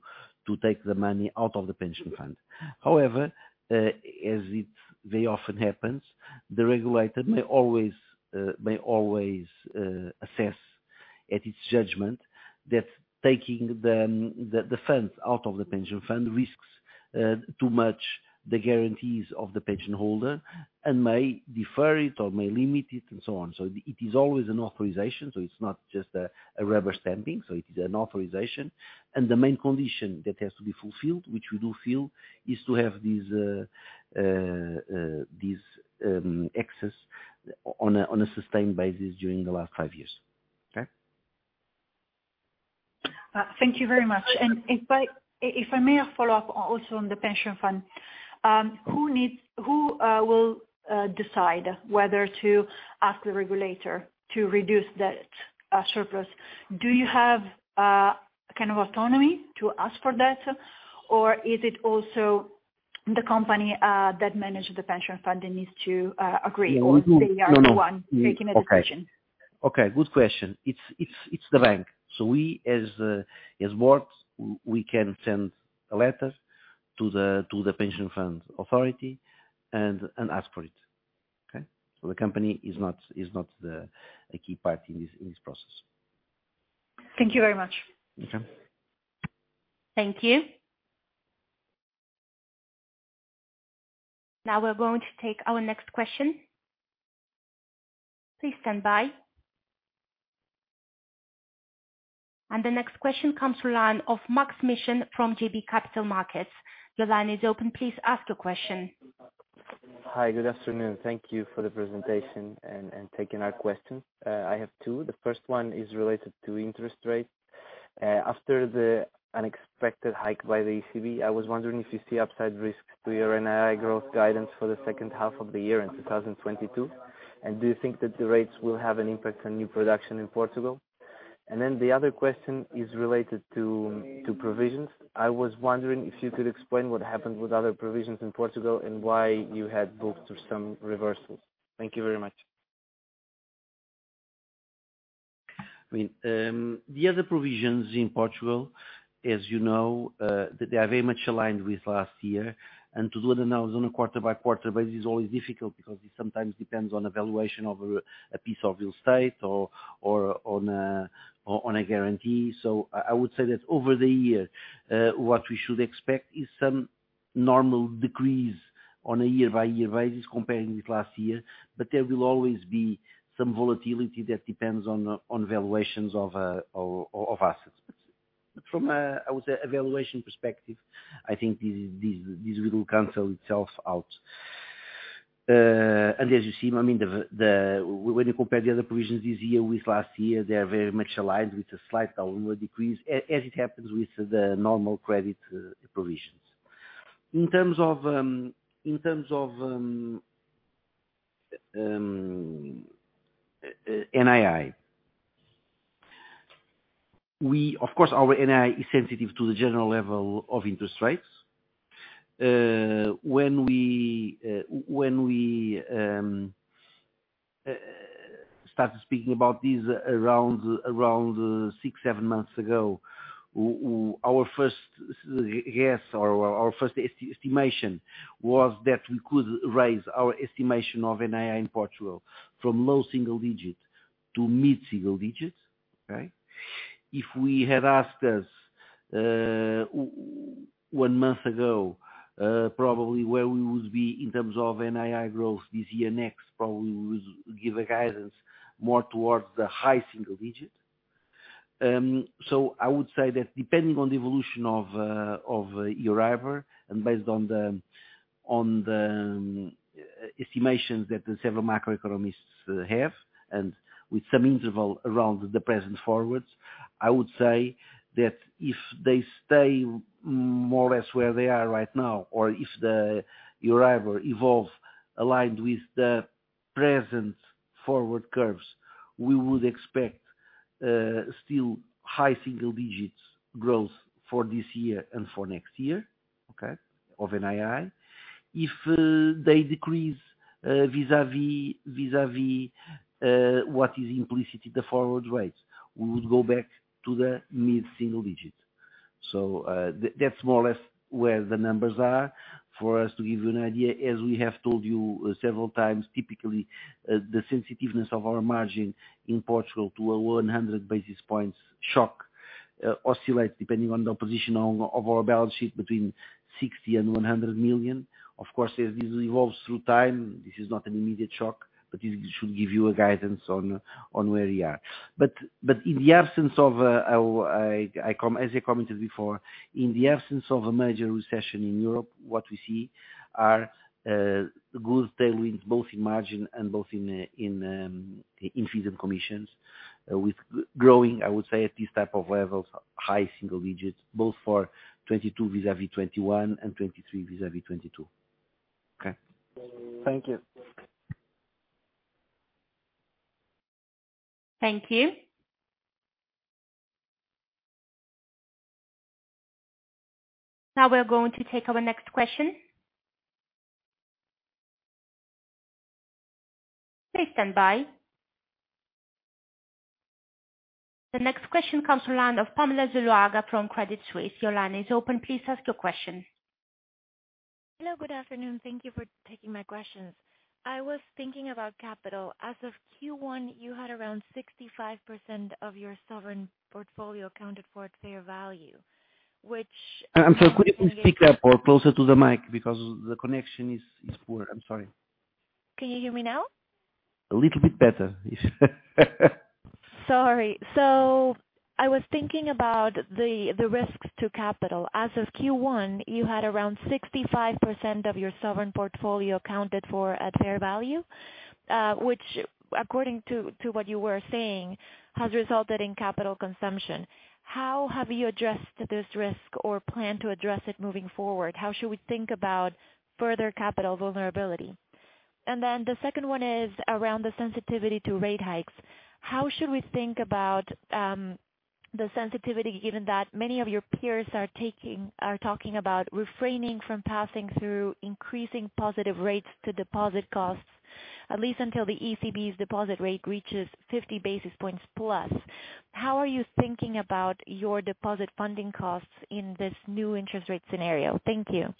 take the money out of the pension fund. However, as it very often happens, the regulator may always assess at its judgment that taking the funds out of the pension fund risks too much the guarantees of the pension holder and may defer it or may limit it and so on. It is always an authorization. It's not just a rubber stamping, so it is an authorization. The main condition that has to be fulfilled, which we do fill, is to have these access on a sustained basis during the last five years. Okay? Thank you very much. If I may follow-up also on the pension fund, who will decide whether to ask the regulator to reduce that surplus? Do you have kind of autonomy to ask for that? Or is it also the company that manage the pension fund that needs to agree- No, no. they are the one making the decision? Okay. Good question. It's the bank. We as board, we can send a letter to the pension fund authority and ask for it. Okay. The company is not a key part in this process. Thank you very much. Okay. Thank you. Now we're going to take our next question. Please stand by. The next question comes from line of Maksym Mishyn from JB Capital Markets. Your line is open. Please ask your question. Hi, good afternoon. Thank you for the presentation and taking our question. I have two. The first one is related to interest rates. After the unexpected hike by the ECB, I was wondering if you see upside risk to your NII growth guidance for the second half of the year in 2022. Do you think that the rates will have an impact on new production in Portugal? The other question is related to provisions. I was wondering if you could explain what happened with other provisions in Portugal and why you had booked some reversals. Thank you very much. I mean, the other provisions in Portugal, as you know, they are very much aligned with last year. To do the analysis on a quarter by quarter basis is always difficult because it sometimes depends on the valuation of a piece of real estate or on a guarantee. I would say that over the year, what we should expect is some normal decrease on a year by year basis comparing with last year. There will always be some volatility that depends on valuations of assets. From a valuation perspective, I think this will cancel itself out. As you see, I mean, when you compare the other provisions this year with last year, they are very much aligned with a slight downward decrease as it happens with the normal credit provisions. In terms of NII. Of course, our NII is sensitive to the general level of interest rates. When we started speaking about this around six, seven months ago, our first guess or our first estimation was that we could raise our estimation of NII in Portugal from low single digits to mid-single digits. Okay? If we had asked us one month ago, probably where we would be in terms of NII growth this year, next, probably we would give a guidance more towards the high single digit. I would say that depending on the evolution of Euribor and based on the estimations that the several macroeconomists have and with some interval around the present forwards, I would say that if they stay more or less where they are right now, or if the Euribor evolve aligned with the present forward curves, we would expect still high single digits growth for this year and for next year, okay, of NII. If they decrease vis-à-vis what is implicitly the forward rates, we would go back to the mid-single digit. That's more or less where the numbers are. For us to give you an idea, as we have told you several times, typically, the sensitiveness of our margin in Portugal to a 100 basis points shock oscillates depending on the position of our balance sheet between 60 million-100 million. Of course, this evolves through time. This is not an immediate shock, but it should give you a guidance on where we are. In the absence of a major recession in Europe, what we see are good tailwinds, both in margin and both in fees and commissions, with growing, I would say, at this type of levels, high single digits, both for 2022 vis-à-vis 2021 and 2023 vis-à-vis 2022. Okay. Thank you. Thank you. Now we're going to take our next question. Please stand by. The next question comes to line of Pamela Zuluaga from Credit Suisse. Your line is open. Please ask your question. Hello, good afternoon. Thank you for taking my questions. I was thinking about capital. As of Q1, you had around 65% of your sovereign portfolio accounted for at fair value, which I'm sorry, could you speak up or closer to the mic because the connection is poor? I'm sorry. Can you hear me now? A little bit better. Sorry. I was thinking about the risks to capital. As of Q1, you had around 65% of your sovereign portfolio accounted for at fair value, which according to what you were saying, has resulted in capital consumption. How have you addressed this risk or plan to address it moving forward? How should we think about further capital vulnerability? The second one is around the sensitivity to rate hikes. How should we think about the sensitivity given that many of your peers are talking about refraining from passing through increasing positive rates to deposit costs, at least until the ECB's deposit rate reaches 50 basis points plus. How are you thinking about your deposit funding costs in this new interest rate scenario? Thank you.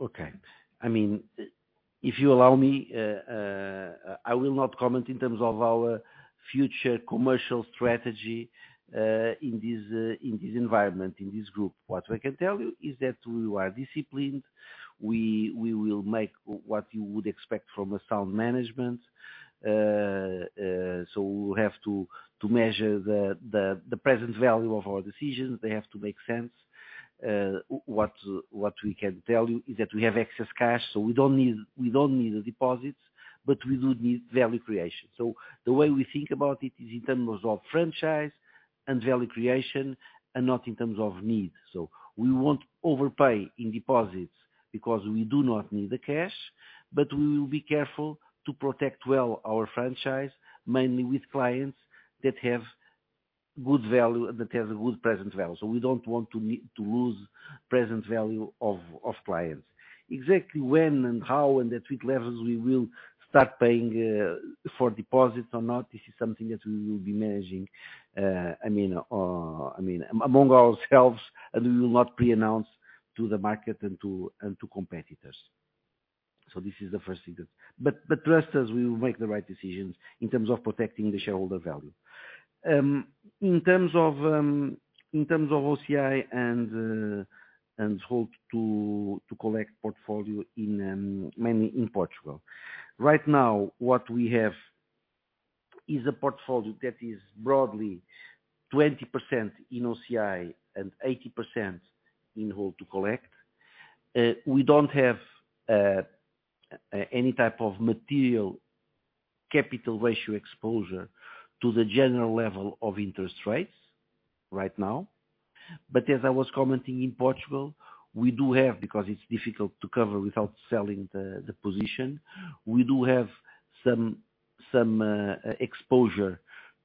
Okay. I mean, if you allow me, I will not comment in terms of our future commercial strategy, in this environment, in this group. What I can tell you is that we are disciplined. We will make what you would expect from a sound management. We have to measure the present value of our decisions. They have to make sense. What we can tell you is that we have excess cash, so we don't need the deposits, but we do need value creation. The way we think about it is in terms of franchise and value creation and not in terms of need. We won't overpay in deposits because we do not need the cash, but we will be careful to protect well our franchise, mainly with clients that have good value, that has a good present value. We don't want to lose present value of clients. Exactly when and how and at which levels we will start paying for deposits or not, this is something that we will be managing, I mean, among ourselves, and we will not pre-announce to the market and to competitors. This is the first thing. Trust us, we will make the right decisions in terms of protecting the shareholder value. In terms of OCI and hold to collect portfolio mainly in Portugal. Right now, what we have is a portfolio that is broadly 20% in OCI and 80% in hold to collect. We don't have any type of material capital ratio exposure to the general level of interest rates right now. As I was commenting in Portugal, we do have, because it's difficult to cover without selling the position, we do have some exposure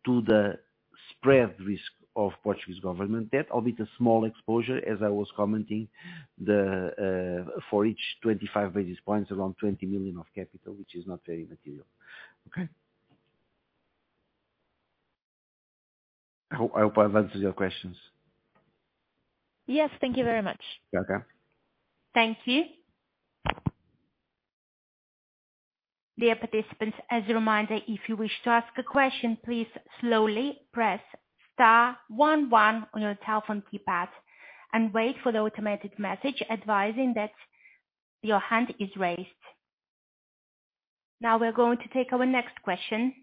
to the spread risk of Portuguese government debt, albeit a small exposure, as I was commenting, for each 25 basis points, around 20 million of capital, which is not very material. Okay. I hope I've answered your questions. Yes, thank you very much. You're welcome. Thank you. Dear participants, as a reminder, if you wish to ask a question, please slowly press star one one on your telephone keypad and wait for the automated message advising that your hand is raised. Now we're going to take our next question.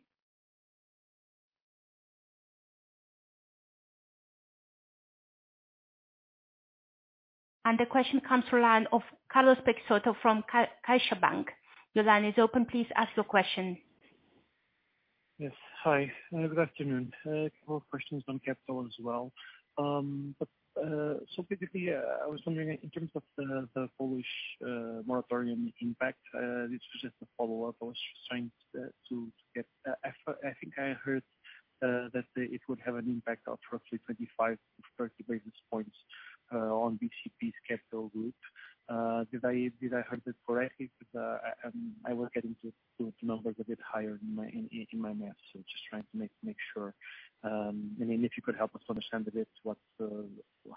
The question comes from line of Carlos Peixoto from CaixaBank. Your line is open, please ask your question. Yes. Hi. Good afternoon. A couple of questions on capital as well. Typically, I was wondering in terms of the Polish moratorium impact, this was just a follow-up. I was just trying to get, I think I heard that it would have an impact of roughly 25-30 basis points on BCP's capital group. Did I heard it correctly? Because, I was getting to numbers a bit higher in my math. Just trying to make sure, and then if you could help us understand a bit what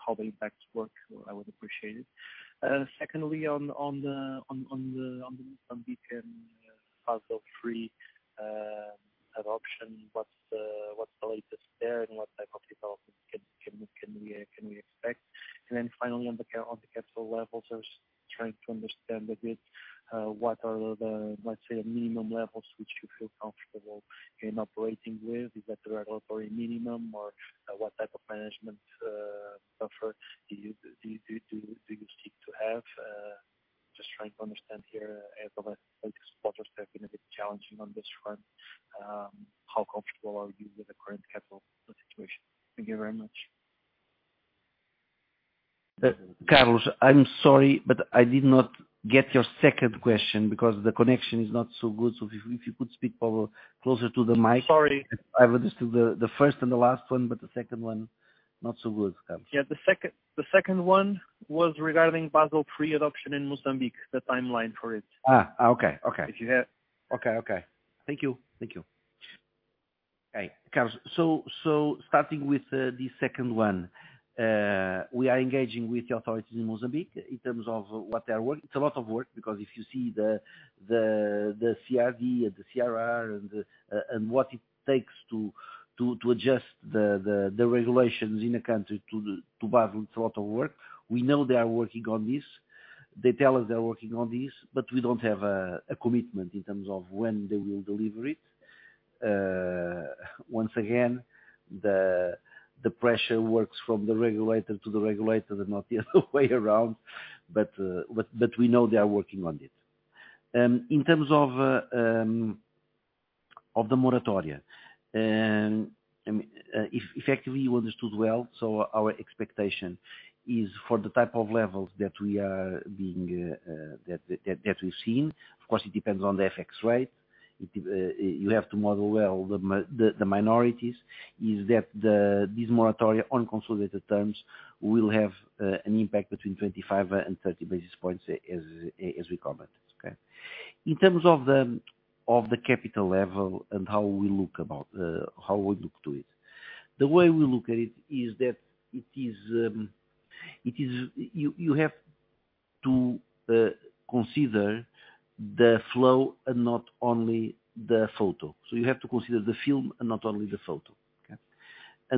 how the impacts work, I would appreciate it. Secondly, on the Mozambique Basel III adoption, what's the latest there? What type of development can we expect? Then finally, on the capital levels, I was trying to understand a bit what are the, let's say, minimum levels which you feel comfortable in operating with? Is that the regulatory minimum or what type of management buffer do you seek to have? Just trying to understand here as the last quarters have been a bit challenging on this front. How comfortable are you with the current capital situation? Thank you very much. Carlos, I'm sorry, but I did not get your second question because the connection is not so good. If you could speak closer to the mic. Sorry. I've understood the first and the last one, but the second one not so good. Yeah. The second one was regarding Basel III adoption in Mozambique, the timeline for it. Okay. Okay. If you have Okay. Thank you. Thank you. Okay. Carlos, starting with the second one, we are engaging with the authorities in Mozambique in terms of what they are working. It's a lot of work because if you see the CRD and the CRR and what it takes to adjust the regulations in a country to Basel, it's a lot of work. We know they are working on this. They tell us they are working on this, but we don't have a commitment in terms of when they will deliver it. Once again, the pressure works from the regulator to the regulator and not the other way around, but we know they are working on it. In terms of the moratoria, I mean, if effectively you understood well, our expectation is for the type of levels that we've seen, of course it depends on the FX rate. You have to model well the moratoria, that this moratoria on consolidated terms will have an impact between 25-30 basis points as we commented. Okay? In terms of the capital level and how we look at it, the way we look at it is that you have to consider the flow and not only the photo. Okay?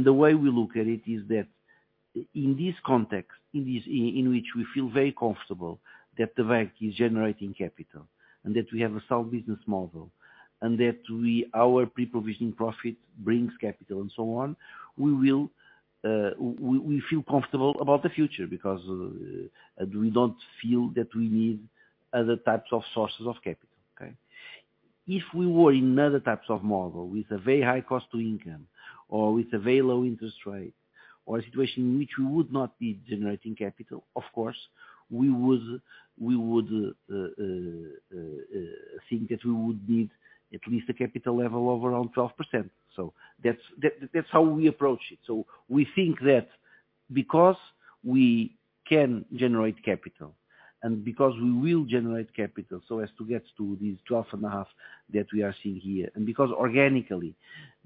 The way we look at it is that in this context in which we feel very comfortable that the bank is generating capital and that we have a sound business model, and that our pre-provision profit brings capital and so on, we feel comfortable about the future because we don't feel that we need other types of sources of capital. Okay. If we were in other types of model with a very high cost to income or with a very low interest rate, or a situation in which we would not be generating capital, of course, we would think that we would need at least a capital level of around 12%. That's how we approach it. We think that because we can generate capital and because we will generate capital so as to get to these 12.5% that we are seeing here, and because organically,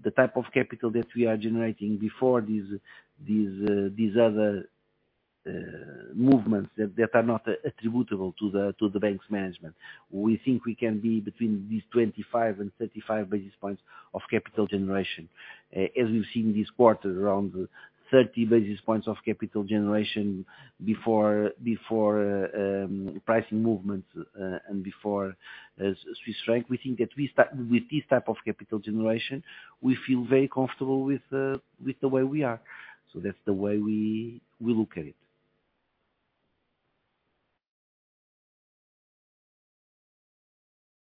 the type of capital that we are generating before these other movements that are not attributable to the bank's management. We think we can be between these 25-35 basis points of capital generation. As we've seen this quarter, around 30 basis points of capital generation before pricing movements and before Swiss franc. We think that with this type of capital generation, we feel very comfortable with the way we are. That's the way we look at it.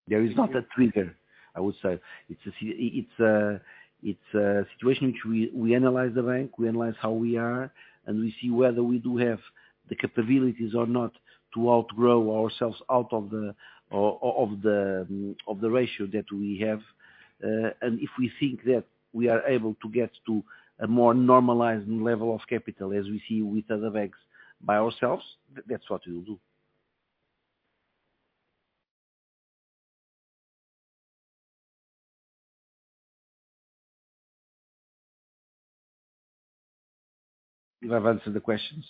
There is not a trigger, I would say. It's a situation which we analyze the bank, analyze how we are, and we see whether we do have the capabilities or not to outgrow ourselves out of the ratio that we have. If we think that we are able to get to a more normalized level of capital as we see with other banks by ourselves, that's what we'll do. We have answered the questions.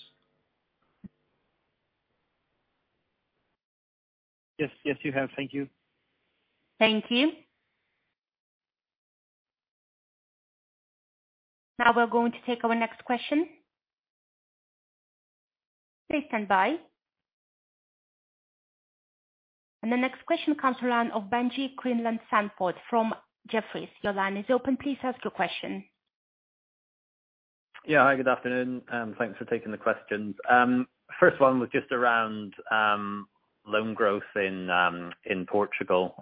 Yes. Yes, you have. Thank you. Thank you. Now we're going to take our next question. Please stand by. The next question comes to line of Benjie Creelan-Sandford from Jefferies. Your line is open. Please ask your question. Yeah. Hi, good afternoon, and thanks for taking the questions. First one was just around loan growth in Portugal.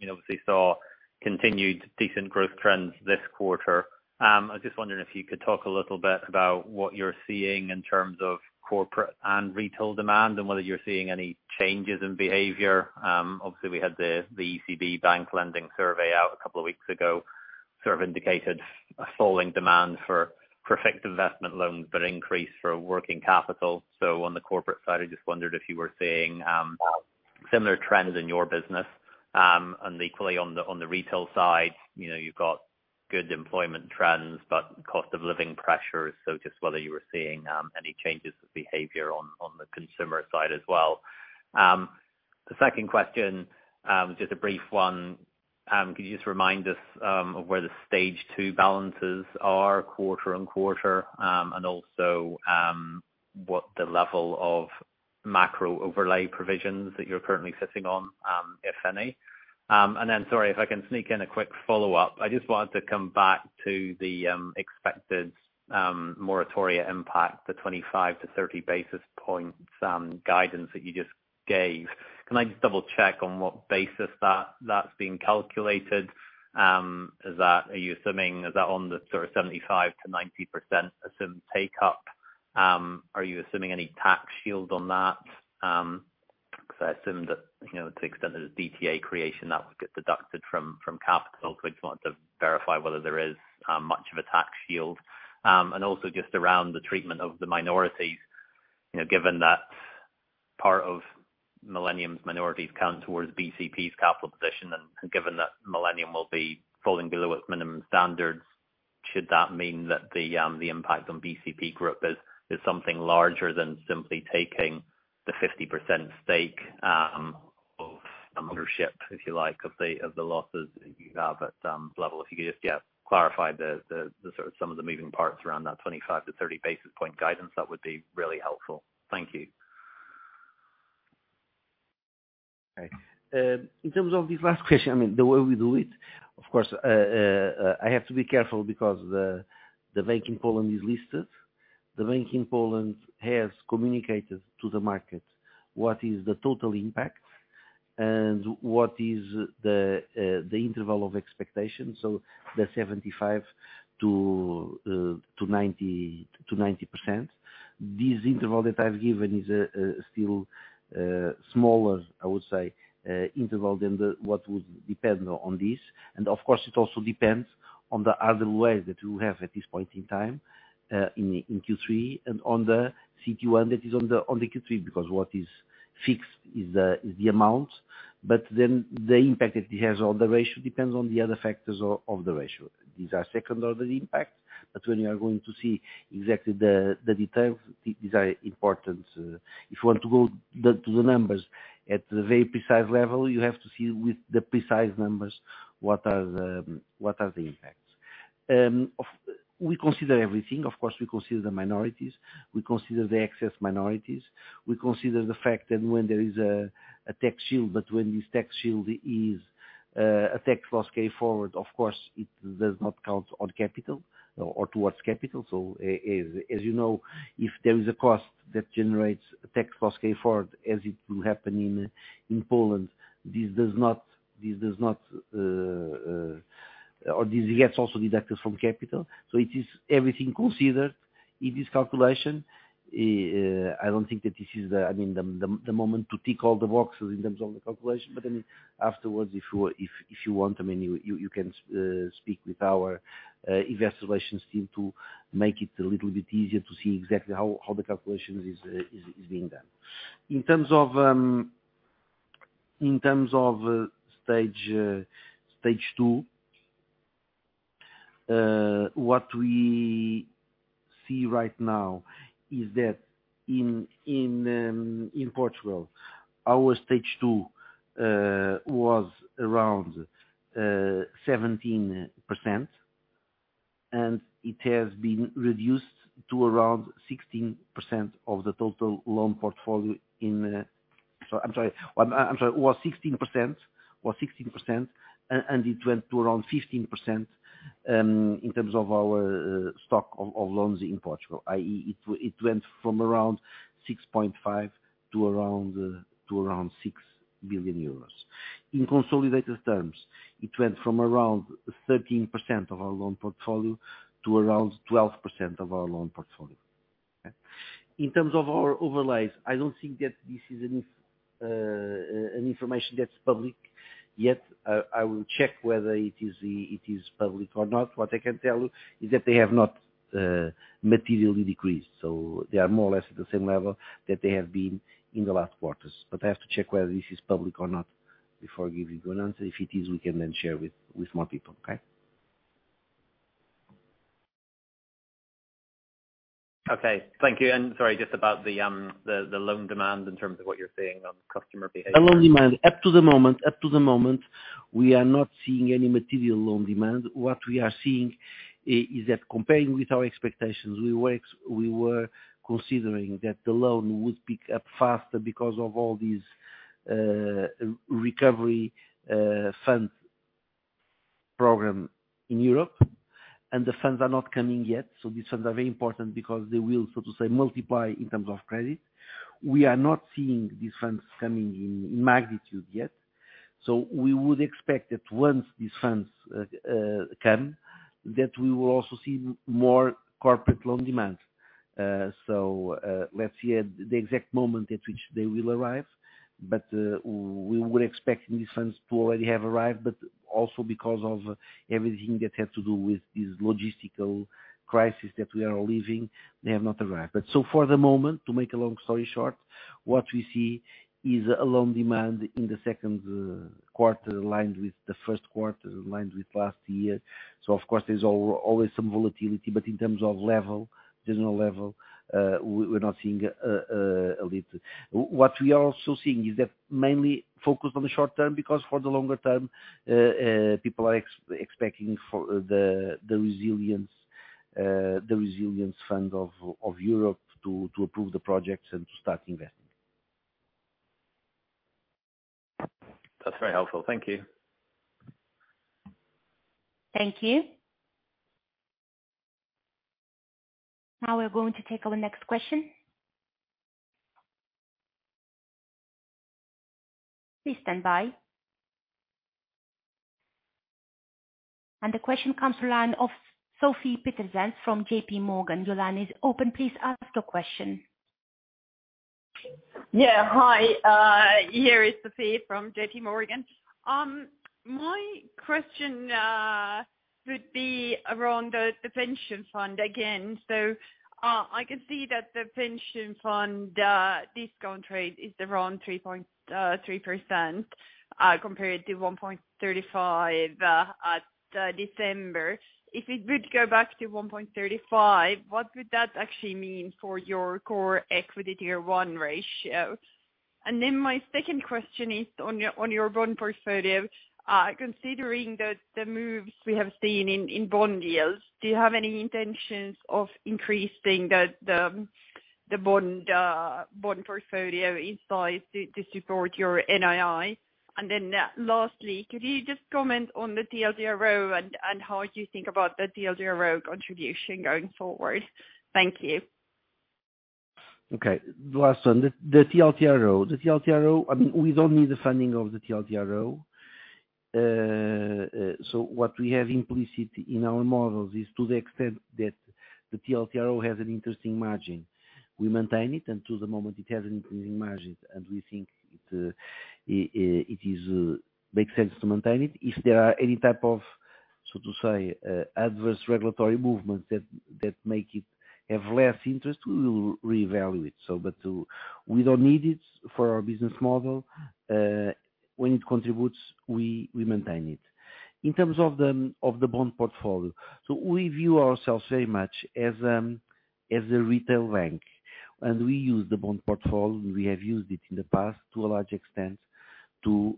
We obviously saw continued decent growth trends this quarter. I was just wondering if you could talk a little bit about what you're seeing in terms of corporate and retail demand and whether you're seeing any changes in behavior. Obviously, we had the ECB bank lending survey out a couple of weeks ago, sort of indicated a falling demand for fixed investment loans, but increase for working capital. On the corporate side, I just wondered if you were seeing similar trends in your business. Equally on the retail side, you know, you've got good employment trends, but cost of living pressures. Just whether you were seeing any changes of behavior on the consumer side as well. The second question, just a brief one. Could you just remind us of where the Stage 2 balances are quarter-on-quarter, and also what the level of macro overlay provisions that you're currently sitting on, if any. Sorry, if I can sneak in a quick follow-up. I just wanted to come back to the expected moratoria impact, the 25-30 basis points guidance that you just gave. Can I just double check on what basis that's being calculated? Is that on the sort of 75%-90% assumed take-up? Are you assuming any tax shield on that? Because I assume that, you know, to the extent there's DTA creation that would get deducted from capital. I just wanted to verify whether there is much of a tax shield. Also just around the treatment of the minorities, you know, given that part of Millennium's minorities count towards BCP's capital position, and given that Millennium will be falling below its minimum standards, should that mean that the impact on BCP Group is something larger than simply taking the 50% stake of ownership, if you like, of the losses you have at level? If you could just yeah clarify the sort of some of the moving parts around that 25-30 basis point guidance, that would be really helpful. Thank you. Okay. In terms of this last question, I mean, the way we do it, of course, I have to be careful because Bank Millennium is listed. Bank Millennium has communicated to the market what is the total impact and what is the interval of expectation. The 75%-90%. This interval that I've given is still smaller, I would say, interval than what would depend on this. Of course, it also depends on the other weight that you have at this point in time, in Q3 and on the CT1 that is on the Q3, because what is fixed is the amount, but then the impact that it has on the ratio depends on the other factors of the ratio. These are second order impact, but when you are going to see exactly the details, these are important. If you want to go to the numbers at the very precise level, you have to see with the precise numbers, what are the impacts. We consider everything. Of course, we consider the minorities, we consider the excess minorities. We consider the fact that when there is a tax shield, but when this tax shield is a tax loss carry forward, of course it does not count on capital or towards capital. As you know, if there is a cost that generates a tax loss carry forward, as it will happen in Poland, this does not or this gets also deducted from capital. It is everything considered in this calculation. I don't think that this is, I mean, the moment to tick all the boxes in terms of the calculation. Afterwards, if you want, I mean, you can speak with our investor relations team to make it a little bit easier to see exactly how the calculation is being done. In terms of Stage 2, what we see right now is that in Portugal, our Stage 2 was around 17%. It has been reduced to around 16% of the total loan portfolio in. I'm sorry. It was 16%, and it went to around 15% in terms of our stock of loans in Portugal. It went from around 6.5 billion to around 6 billion euros. In consolidated terms, it went from around 13% of our loan portfolio to around 12% of our loan portfolio. In terms of our overlays, I don't think that this is an information that's public yet. I will check whether it is public or not. What I can tell you is that they have not materially decreased, so they are more or less at the same level that they have been in the last quarters. I have to check whether this is public or not before giving you an answer. If it is, we can then share with more people. Okay? Okay, thank you. Sorry, just about the loan demand in terms of what you're seeing on customer behavior. Our loan demand. Up to the moment, we are not seeing any material loan demand. What we are seeing is that comparing with our expectations, we were considering that the loan would pick up faster because of all these recovery fund program in Europe, and the funds are not coming yet. These funds are very important because they will, so to say, multiply in terms of credit. We are not seeing these funds coming in magnitude yet. We would expect that once these funds come, that we will also see more corporate loan demand. Let's see at the exact moment at which they will arrive. We were expecting these funds to already have arrived, but also because of everything that had to do with this logistical crisis that we are living, they have not arrived. For the moment, to make a long story short, what we see is a loan demand in the second quarter aligned with the first quarter, aligned with last year. Of course, there's always some volatility, but in terms of level, general level, we're not seeing a lot. What we are also seeing is that mainly focused on the short term, because for the longer term, people are expecting for the resilience fund of Europe to approve the projects and to start investing. That's very helpful. Thank you. Thank you. Now we're going to take our next question. Please stand by. The question comes from the line of Sofie Peterzens from JPMorgan. Your line is open. Please ask your question. Yeah. Hi, here is Sofie from JPMorgan. My question would be around the pension fund again. I can see that the pension fund discount rate is around 3.3%, compared to 1.35% at December. If it would go back to 1.35%, what would that actually mean for your Core Equity Tier 1 ratio? And then my second question is on your bond portfolio. Considering the moves we have seen in bond yields, do you have any intentions of increasing the bond portfolio in size to support your NII? And then, lastly, could you just comment on the TLTRO and how you think about the TLTRO contribution going forward? Thank you. Okay. The last one. The TLTRO, I mean, we don't need the funding of the TLTRO. What we have implicit in our models is to the extent that the TLTRO has an interesting margin. We maintain it, and at the moment it has an increasing margin, and we think it makes sense to maintain it. If there are any type of, so to say, adverse regulatory movements that make it have less interest, we will reevaluate. But we don't need it for our business model. When it contributes, we maintain it. In terms of the bond portfolio, we view ourselves very much as a retail bank, and we use the bond portfolio. We have used it in the past to a large extent to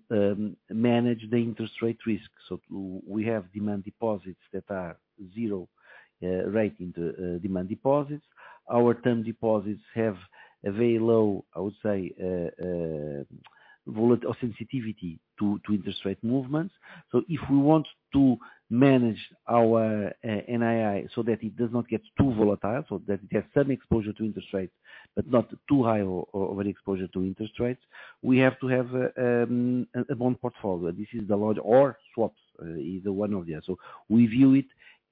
manage the interest rate risk. We have demand deposits that are zero rate on demand deposits. Our term deposits have a very low, I would say, volatility or sensitivity to interest rate movements. If we want to manage our NII so that it does not get too volatile, so that it has some exposure to interest rates, but not too high of an exposure to interest rates, we have to have a bond portfolio. This is the largest. Or swaps, either one or the other. We view it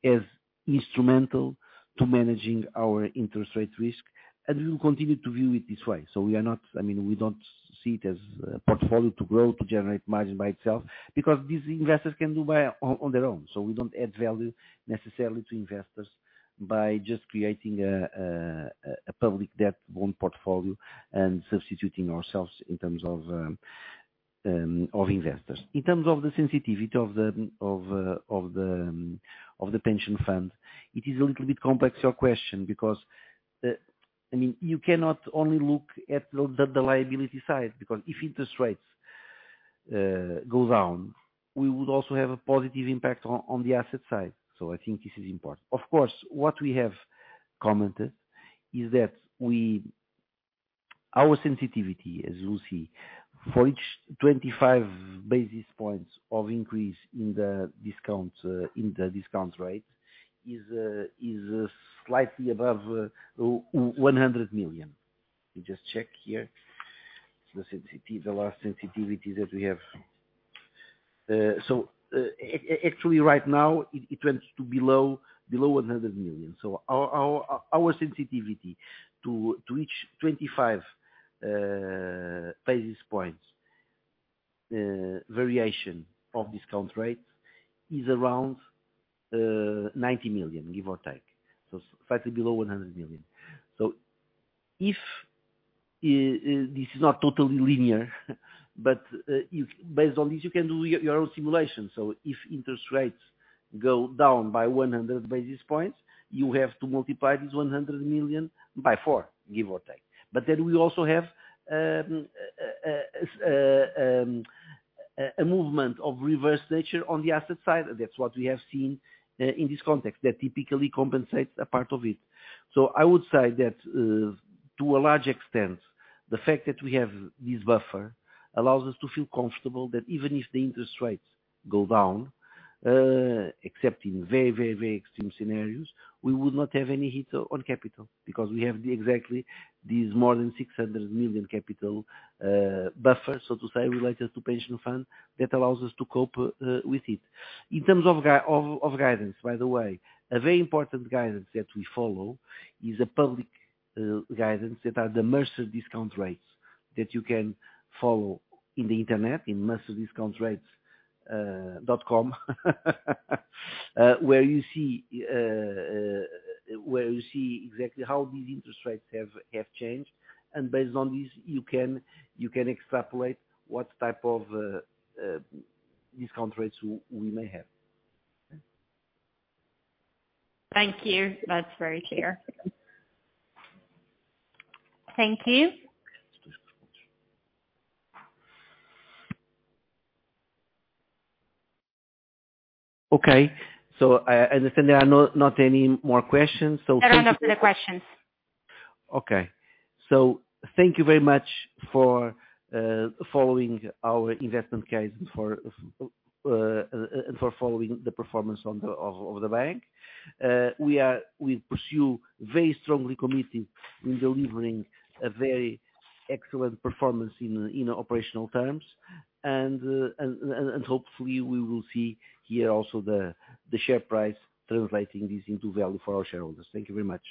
as instrumental to managing our interest rate risk, and we will continue to view it this way. We are not. I mean, we don't see it as a portfolio to grow, to generate margin by itself, because these investors can do it on their own. We don't add value necessarily to investors by just creating a public debt bond portfolio and substituting ourselves in terms of investors. In terms of the sensitivity of the pension fund, it is a little bit complex, your question, because I mean, you cannot only look at the liability side, because if interest rates go down, we would also have a positive impact on the asset side. I think this is important. Of course, what we have commented is that our sensitivity, as you see, for each 25 basis points of increase in the discount rate is slightly above 100 million. Let me just check here. The last sensitivity that we have. Actually right now it went to below 100 million. Our sensitivity to each 25 basis points variation of discount rate is around 90 million, give or take. Slightly below 100 million. If this is not totally linear, but if based on this, you can do your own simulation. If interest rates go down by 100 basis points, you have to multiply this 100 million by four, give or take. We also have a movement of reverse nature on the asset side. That's what we have seen in this context, that typically compensates a part of it. I would say that, to a large extent, the fact that we have this buffer allows us to feel comfortable that even if the interest rates go down, except in very extreme scenarios, we would not have any hit on capital because we have exactly these more than 600 million capital buffer, so to say, related to pension fund that allows us to cope with it. In terms of guidance, by the way, a very important guidance that we follow is a public guidance that are the Mercer discount rates that you can follow on the internet at mercerdiscountrates.com, where you see exactly how these interest rates have changed. Based on this, you can extrapolate what type of discount rates we may have. Thank you. That's very clear. Thank you. Okay, I understand there are not any more questions, so thank you. There are no further questions. Okay. Thank you very much for following our investment case and for following the performance of the bank. We are very strongly committed in delivering a very excellent performance in operational terms. Hopefully we will see here also the share price translating this into value for our shareholders. Thank you very much.